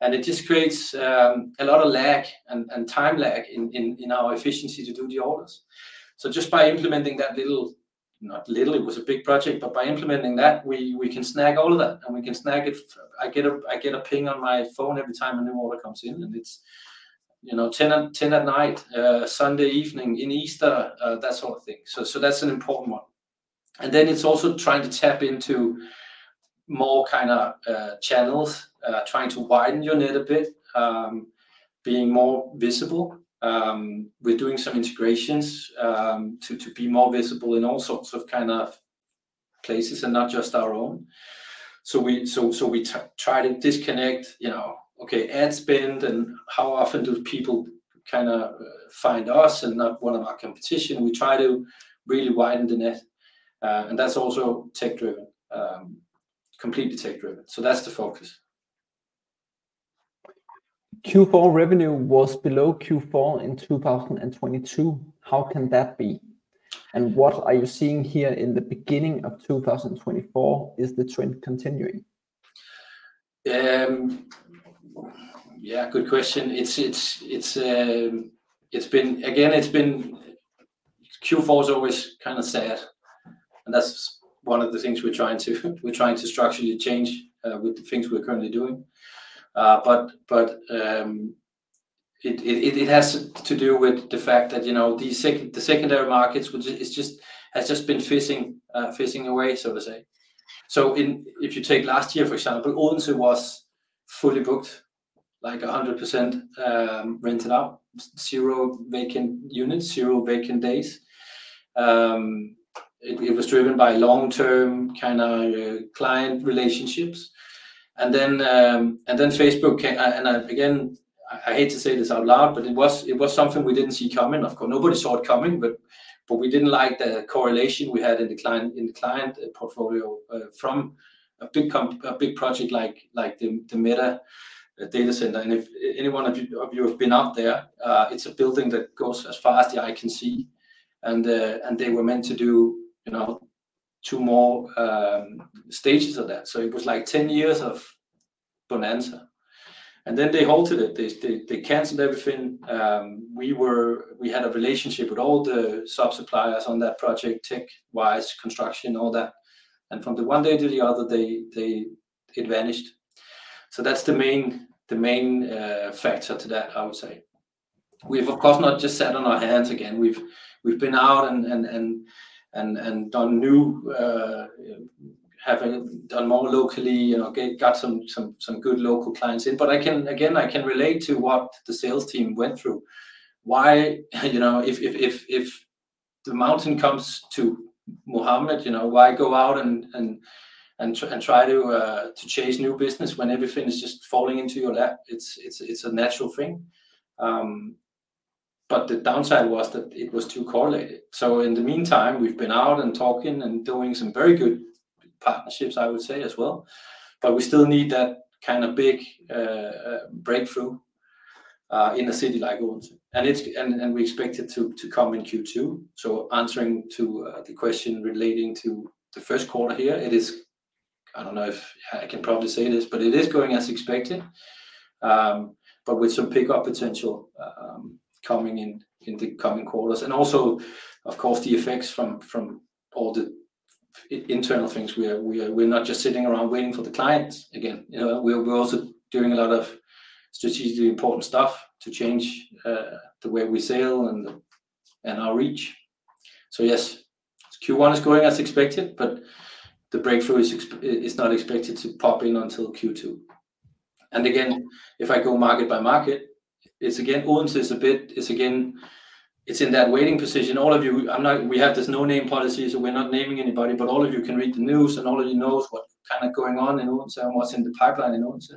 Speaker 2: And it just creates a lot of lag and time lag in our efficiency to do the orders. So just by implementing that little. It was a big project, but by implementing that, we can snag all of that, and we can snag it. I get a ping on my phone every time a new order comes in, and it's 10:00 P.M. at night, Sunday evening, in Easter, that sort of thing. So that's an important one. And then it's also trying to tap into more kind of channels, trying to widen your net a bit, being more visible. We're doing some integrations to be more visible in all sorts of kind of places and not just our own. So we try to disconnect, okay, ad spend, and how often do people kind of find us and not one of our competition? We try to really widen the net. And that's also tech-driven, completely tech-driven. So that's the focus.
Speaker 1: Q4 revenue was below Q4 in 2022. How can that be? And what are you seeing here in the beginning of 2024? Is the trend continuing?
Speaker 2: Yeah, good question. Again, Q4 is always kind of sad. And that's one of the things we're trying to structurally change with the things we're currently doing. But it has to do with the fact that the secondary markets has just been phasing away, so to say. So if you take last year, for example, Odense was fully booked, like 100% rented out, zero vacant units, zero vacant days. It was driven by long-term kind of client relationships. And then Facebook and again, I hate to say this out loud, but it was something we didn't see coming. Of course, nobody saw it coming, but we didn't like the correlation we had in the client portfolio from a big project like the Meta data center. And if any one of you have been up there, it's a building that goes as far as the eye can see. They were meant to do two more stages of that. So it was like 10 years of bonanza. And then they halted it. They canceled everything. We had a relationship with all the subsuppliers on that project, tech-wise, construction, all that. And from the one day to the other, they vanished. So that's the main factor to that, I would say. We've, of course, not just sat on our hands. Again, we've been out and done new, have done more locally, got some good local clients in. But again, I can relate to what the sales team went through. If the mountain comes to Muhammad, why go out and try to chase new business when everything is just falling into your lap? It's a natural thing. But the downside was that it was too correlated. So in the meantime, we've been out and talking and doing some very good partnerships, I would say, as well. But we still need that kind of big breakthrough in a city like Odense. And we expect it to come in Q2. So answering to the question relating to the first quarter here, it is, I don't know if I can properly say this, but it is going as expected, but with some pickup potential coming in the coming quarters. And also, of course, the effects from all the internal things. We're not just sitting around waiting for the clients. Again, we're also doing a lot of strategically important stuff to change the way we sell and our reach. So yes, Q1 is going as expected, but the breakthrough is not expected to pop in until Q2. And again, if I go market by market, it's again, Odense is a bit in that waiting position. All of you, we have this no-name policy, so we're not naming anybody. But all of you can read the news, and all of you know what's kind of going on in Odense and what's in the pipeline in Odense.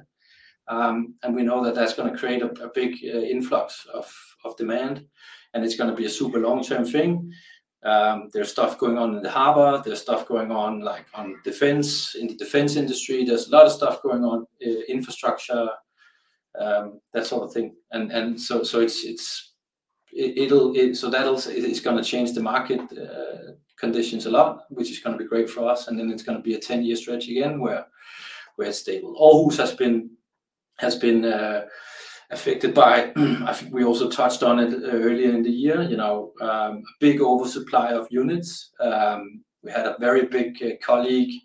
Speaker 2: And we know that that's going to create a big influx of demand, and it's going to be a super long-term thing. There's stuff going on in the harbor. There's stuff going on in the defense industry. There's a lot of stuff going on, infrastructure, that sort of thing. And so that is going to change the market conditions a lot, which is going to be great for us. And then it's going to be a 10-year stretch again where it's stable. Aarhus has been affected by, I think, we also touched on it earlier in the year, big oversupply of units. We had a very big colleague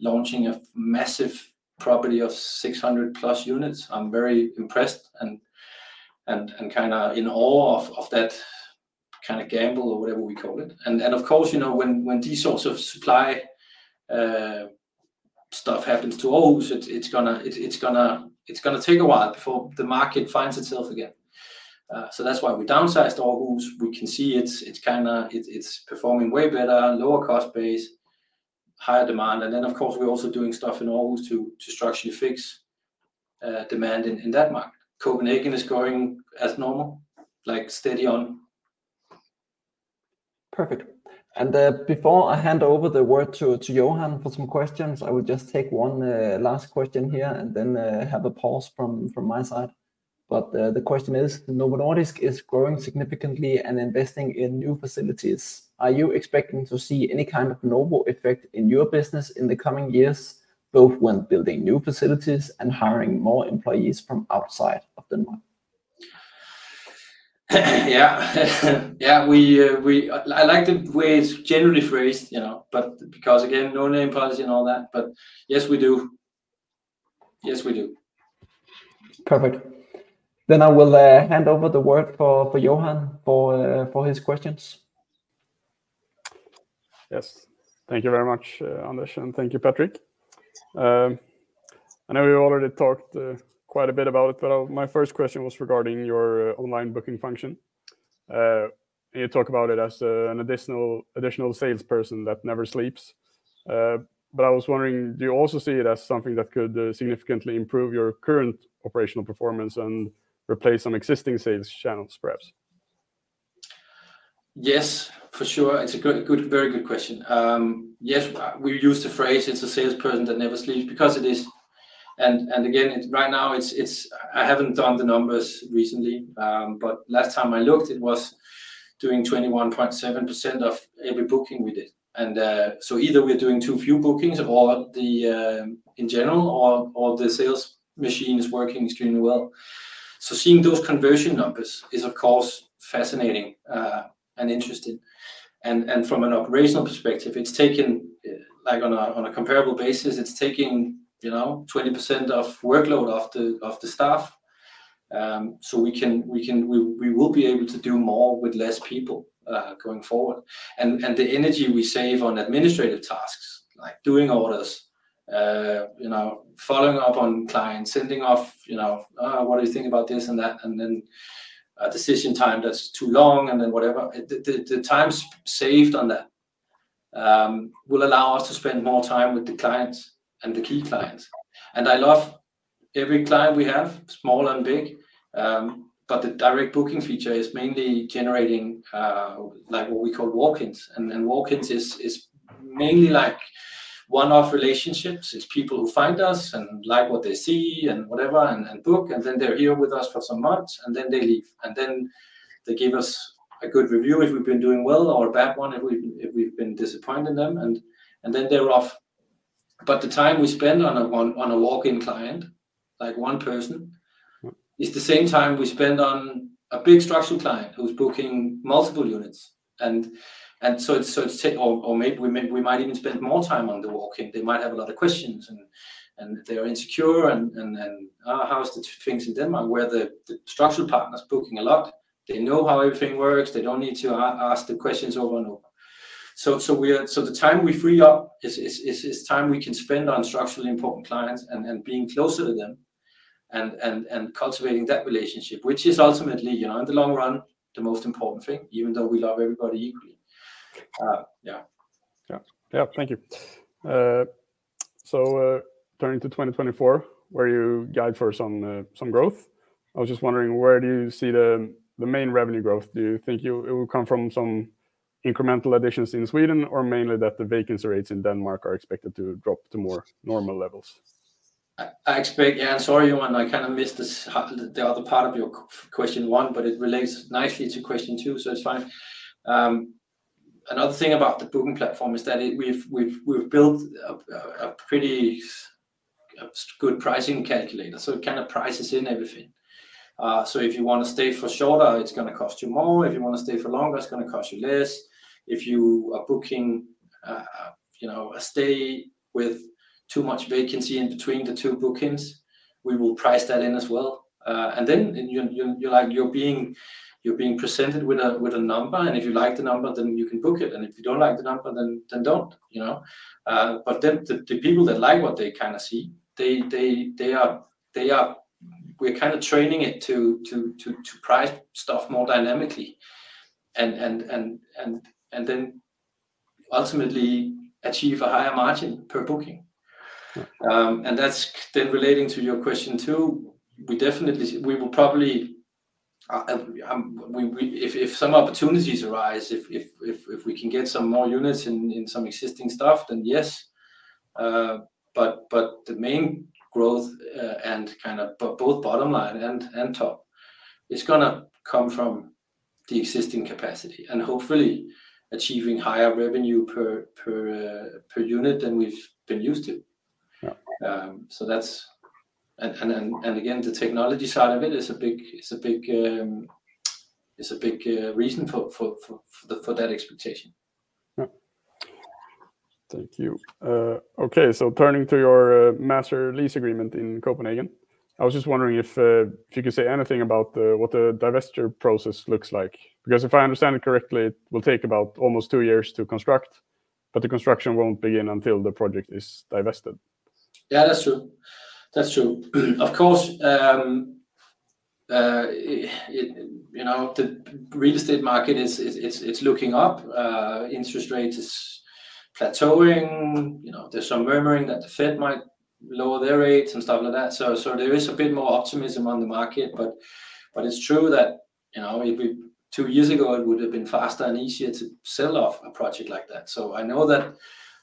Speaker 2: launching a massive property of 600+ units. I'm very impressed and kind of in awe of that kind of gamble or whatever we call it. Of course, when these sorts of supply stuff happens to Aarhus, it's going to take a while before the market finds itself again. So that's why we downsized Aarhus. We can see it's kind of performing way better, lower cost base, higher demand. Then, of course, we're also doing stuff in Aarhus to structurally fix demand in that market. Copenhagen is going as normal, steady on.
Speaker 1: Perfect. Before I hand over the word to Johan for some questions, I will just take one last question here and then have a pause from my side. The question is, Novo Nordisk is growing significantly and investing in new facilities. Are you expecting to see any kind of Novo effect in your business in the coming years, both when building new facilities and hiring more employees from outside of Denmark?
Speaker 2: Yeah. Yeah. I like the way it's generally phrased, but because, again, no-name policy and all that. But yes, we do. Yes, we do.
Speaker 1: Perfect. Then I will hand over the word for Johan for his questions.
Speaker 3: Yes. Thank you very much, Anders. Thank you, Patrick. I know we already talked quite a bit about it, but my first question was regarding your online booking function. You talk about it as an additional salesperson that never sleeps. I was wondering, do you also see it as something that could significantly improve your current operational performance and replace some existing sales channels, perhaps?
Speaker 2: Yes, for sure. It's a very good question. Yes, we use the phrase, "It's a salesperson that never sleeps," because it is. And again, right now, I haven't done the numbers recently. But last time I looked, it was doing 21.7% of every booking we did. And so either we're doing too few bookings in general, or the sales machine is working extremely well. So seeing those conversion numbers is, of course, fascinating and interesting. And from an operational perspective, it's taken on a comparable basis, it's taken 20% of workload off the staff. So we will be able to do more with less people going forward. And the energy we save on administrative tasks, like doing orders, following up on clients, sending off, "What do you think about this and that?" And then a decision time that's too long and then whatever. The time saved on that will allow us to spend more time with the clients and the key clients. I love every client we have, small and big. But the direct booking feature is mainly generating what we call walk-ins. Walk-ins is mainly one-off relationships. It's people who find us and like what they see and whatever and book. Then they're here with us for some months, and then they leave. Then they give us a good review if we've been doing well or a bad one if we've been disappointing them. Then they're off. But the time we spend on a walk-in client, like one person, is the same time we spend on a big structural client who's booking multiple units. So it's or maybe we might even spend more time on the walk-in. They might have a lot of questions, and they are insecure. How are the things in Denmark where the structural partner's booking a lot? They know how everything works. They don't need to ask the questions over and over. The time we free up is time we can spend on structurally important clients and being closer to them and cultivating that relationship, which is ultimately, in the long run, the most important thing, even though we love everybody equally. Yeah.
Speaker 3: Yeah. Yeah. Thank you. So turning to 2024, where you guide for some growth, I was just wondering, where do you see the main revenue growth? Do you think it will come from some incremental additions in Sweden or mainly that the vacancy rates in Denmark are expected to drop to more normal levels?
Speaker 2: Yeah. I'm sorry, I kind of missed the other part of your question 1, but it relates nicely to question 2, so it's fine. Another thing about the booking platform is that we've built a pretty good pricing calculator. It kind of prices in everything. If you want to stay for shorter, it's going to cost you more. If you want to stay for longer, it's going to cost you less. If you are booking a stay with too much vacancy in between the 2 bookings, we will price that in as well. Then you're being presented with a number. If you like the number, then you can book it. If you don't like the number, then don't. But then the people that like what they kind of see, they are we're kind of training it to price stuff more dynamically and then ultimately achieve a higher margin per booking. And that's then relating to your question, too. We will probably if some opportunities arise, if we can get some more units in some existing stuff, then yes. But the main growth and kind of both bottom line and top is going to come from the existing capacity and hopefully achieving higher revenue per unit than we've been used to. And again, the technology side of it is a big reason for that expectation.
Speaker 3: Thank you. Okay. So turning to your Master Lease Agreement in Copenhagen, I was just wondering if you could say anything about what the divestiture process looks like. Because if I understand it correctly, it will take about almost 2 years to construct, but the construction won't begin until the project is divested.
Speaker 2: Yeah, that's true. That's true. Of course, the real estate market, it's looking up. Interest rate is plateauing. There's some murmuring that the Fed might lower their rates and stuff like that. So there is a bit more optimism on the market. But it's true that two years ago, it would have been faster and easier to sell off a project like that. So I know that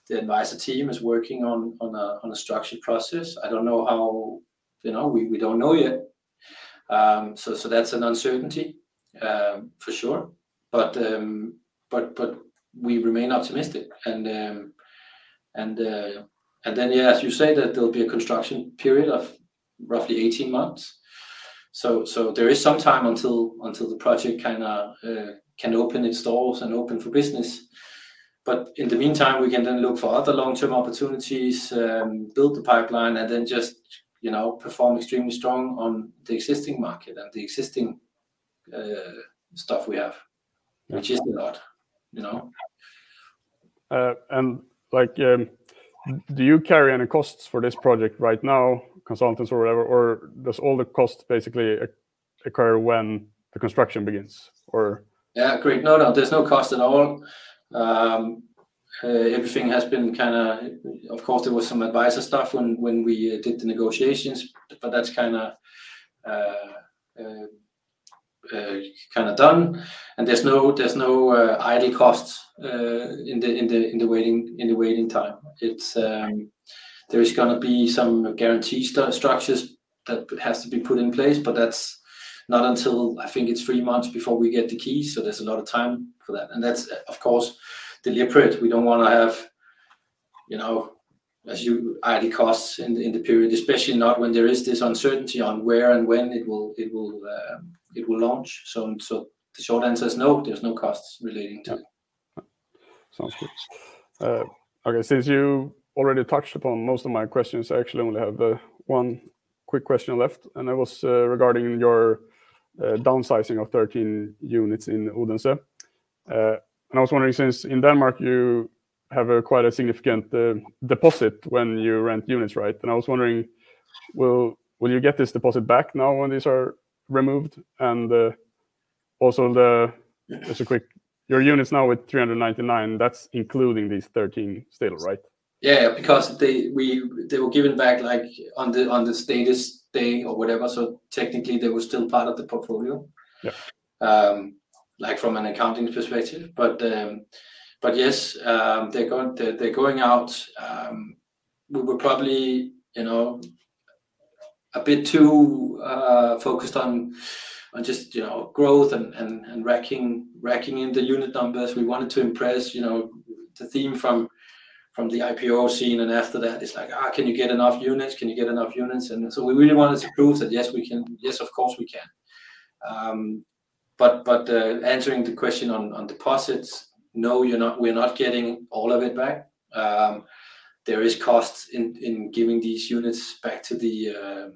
Speaker 2: the advisor team is working on a structured process. I don't know how we don't know yet. So that's an uncertainty, for sure. But we remain optimistic. And then, yeah, as you say, that there'll be a construction period of roughly 18 months. So there is some time until the project kind of can open its doors and open for business. But in the meantime, we can then look for other long-term opportunities, build the pipeline, and then just perform extremely strong on the existing market and the existing stuff we have, which is a lot.
Speaker 3: Do you carry any costs for this project right now, consultants or whatever? Or does all the cost basically occur when the construction begins?
Speaker 2: Yeah. Great. No, no. There's no cost at all. Everything has been kind of of course, there was some advisor stuff when we did the negotiations, but that's kind of done. And there's no idle costs in the waiting time. There is going to be some guaranteed structures that has to be put in place, but that's not until I think it's three months before we get the keys. So there's a lot of time for that. And that's, of course, deliberate. We don't want to have idle costs in the period, especially not when there is this uncertainty on where and when it will launch. So the short answer is no. There's no costs relating to it.
Speaker 3: Sounds good. Okay. Since you already touched upon most of my questions, I actually only have one quick question left. And it was regarding your downsizing of 13 units in Odense. And I was wondering, since in Denmark, you have quite a significant deposit when you rent units, right? And I was wondering, will you get this deposit back now when these are removed? And also, just a quick, your units now with 399, that's including these 13 still, right?
Speaker 2: Yeah, yeah. Because they were given back on the status day or whatever. So technically, they were still part of the portfolio from an accounting perspective. But yes, they're going out. We were probably a bit too focused on just growth and racking in the unit numbers. We wanted to impress the theme from the IPO scene. And after that, it's like, "Can you get enough units? Can you get enough units?" And so we really wanted to prove that, yes, we can, yes, of course, we can. But answering the question on deposits, no, we're not getting all of it back. There is cost in giving these units back to the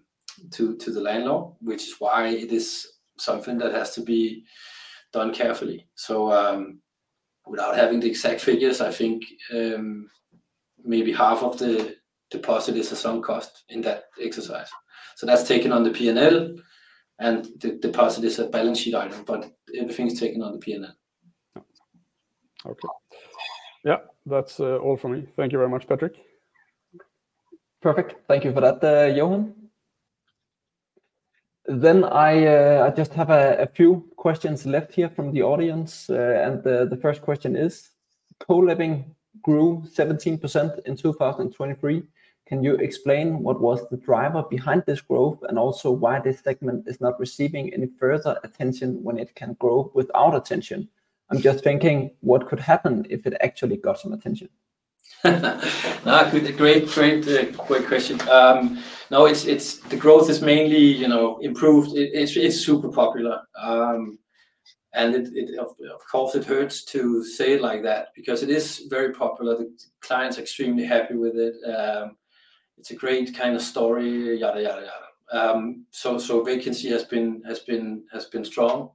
Speaker 2: landlord, which is why it is something that has to be done carefully. So without having the exact figures, I think maybe half of the deposit is a sunk cost in that exercise. That's taken on the P&L. The deposit is a balance sheet item, but everything's taken on the P&L.
Speaker 3: Okay. Yeah. That's all from me. Thank you very much, Patrick.
Speaker 1: Perfect. Thank you for that, Johan. Then I just have a few questions left here from the audience. The first question is, Co-Living grew 17% in 2023. Can you explain what was the driver behind this growth and also why this segment is not receiving any further attention when it can grow without attention? I'm just thinking, what could happen if it actually got some attention?
Speaker 2: Great, great, great question. No, the growth is mainly improved. It's super popular. Of course, it hurts to say it like that because it is very popular. The client's extremely happy with it. It's a great kind of story, yada, yada, yada. Vacancy has been strong.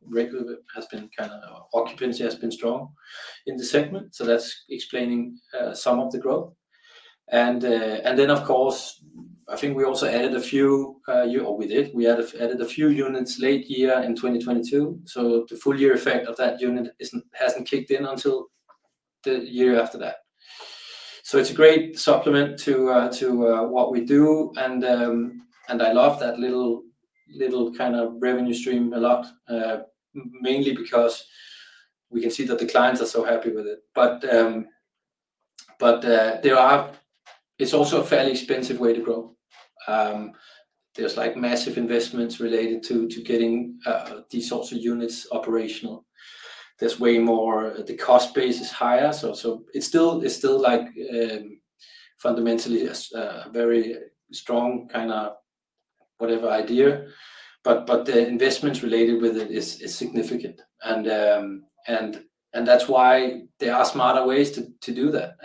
Speaker 2: Occupancy has been strong in the segment. That's explaining some of the growth. Then, of course, I think we also added a few or we did. We added a few units late year in 2022. The full-year effect of that unit hasn't kicked in until the year after that. It's a great supplement to what we do. I love that little kind of revenue stream a lot, mainly because we can see that the clients are so happy with it. It's also a fairly expensive way to grow. There's massive investments related to getting these sorts of units operational. The cost base is higher. So it's still fundamentally a very strong kind of whatever idea. But the investments related with it is significant. That's why there are smarter ways to do that.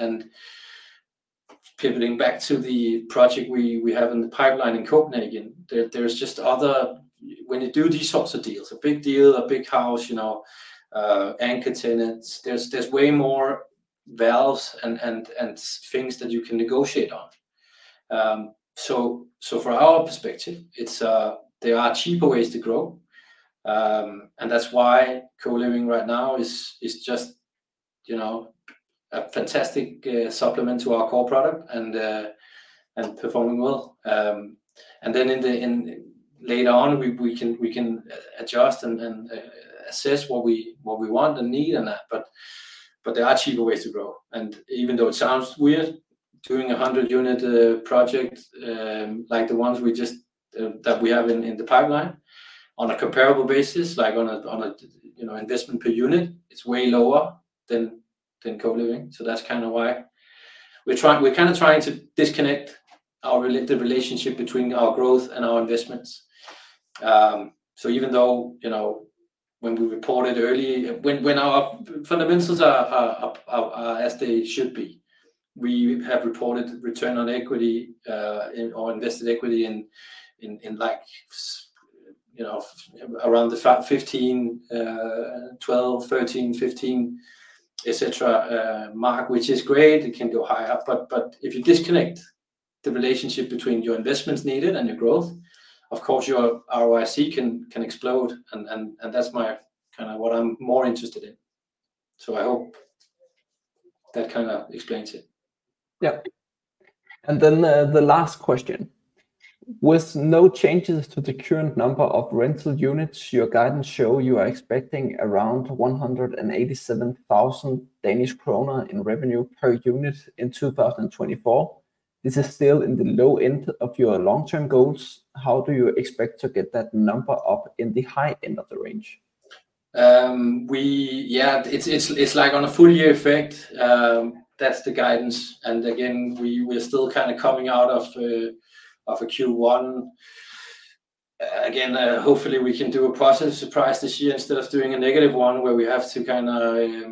Speaker 2: Pivoting back to the project we have in the pipeline in Copenhagen, there's just other when you do these sorts of deals, a big deal, a big house, anchor tenants, there's way more valves and things that you can negotiate on. From our perspective, there are cheaper ways to grow. That's why Co-Living right now is just a fantastic supplement to our core product and performing well. Later on, we can adjust and assess what we want and need and that. But there are cheaper ways to grow. Even though it sounds weird, doing a 100-unit project like the ones that we have in the pipeline on a comparable basis, like on an investment per unit, it's way lower than Co-Living. So that's kind of why we're kind of trying to disconnect the relationship between our growth and our investments. So even though when we reported early, when our fundamentals are as they should be, we have reported return on equity or invested equity in around the 15, 12, 13, 15, etc., mark, which is great. It can go higher. But if you disconnect the relationship between your investments needed and your growth, of course, your ROIC can explode. And that's kind of what I'm more interested in. So I hope that kind of explains it.
Speaker 1: Yeah. And then the last question. With no changes to the current number of rental units, your guidance show you are expecting around 187,000 Danish kroner in revenue per unit in 2024. This is still in the low end of your long-term goals. How do you expect to get that number up in the high end of the range?
Speaker 2: Yeah. It's like on a full-year effect. That's the guidance. And again, we're still kind of coming out of a Q1. Again, hopefully, we can do a positive surprise this year instead of doing a negative one where we have to kind of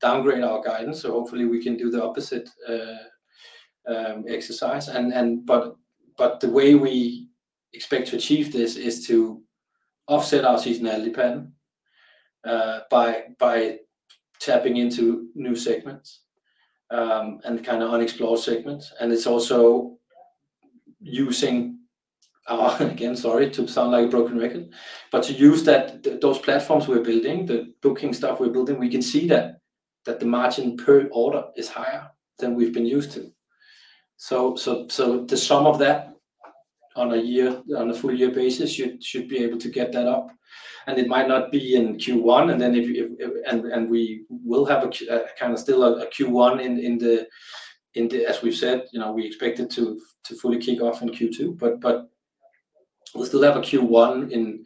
Speaker 2: downgrade our guidance. So hopefully, we can do the opposite exercise. But the way we expect to achieve this is to offset our seasonality pattern by tapping into new segments and kind of unexplored segments. And it's also using our again, sorry, to sound like a broken record, but to use those platforms we're building, the booking stuff we're building, we can see that the margin per order is higher than we've been used to. So the sum of that on a full-year basis, you should be able to get that up. And it might not be in Q1. And then we will have kind of still a Q1 in the, as we've said, we expect it to fully kick off in Q2. But we'll still have a Q1 in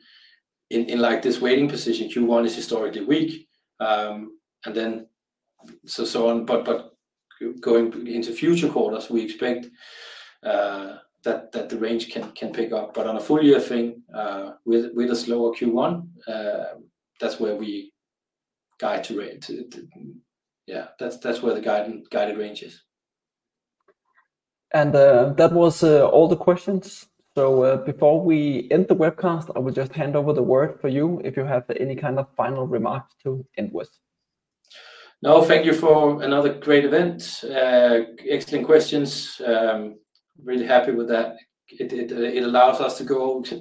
Speaker 2: this waiting position. Q1 is historically weak. And then so on. But going into future quarters, we expect that the range can pick up. But on a full-year thing with a slower Q1, that's where we guide to. Yeah, that's where the guided range is.
Speaker 1: That was all the questions. Before we end the webcast, I will just hand over the word for you if you have any kind of final remarks to end with.
Speaker 2: No, thank you for another great event, excellent questions. Really happy with that. It allows us to go to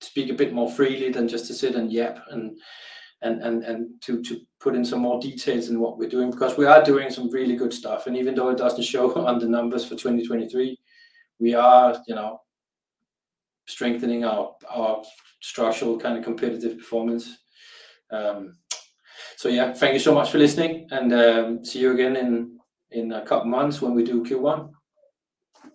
Speaker 2: speak a bit more freely than just to sit and yap and to put in some more details in what we're doing because we are doing some really good stuff. And even though it doesn't show on the numbers for 2023, we are strengthening our structural kind of competitive performance. So yeah, thank you so much for listening. And see you again in a couple of months when we do Q1.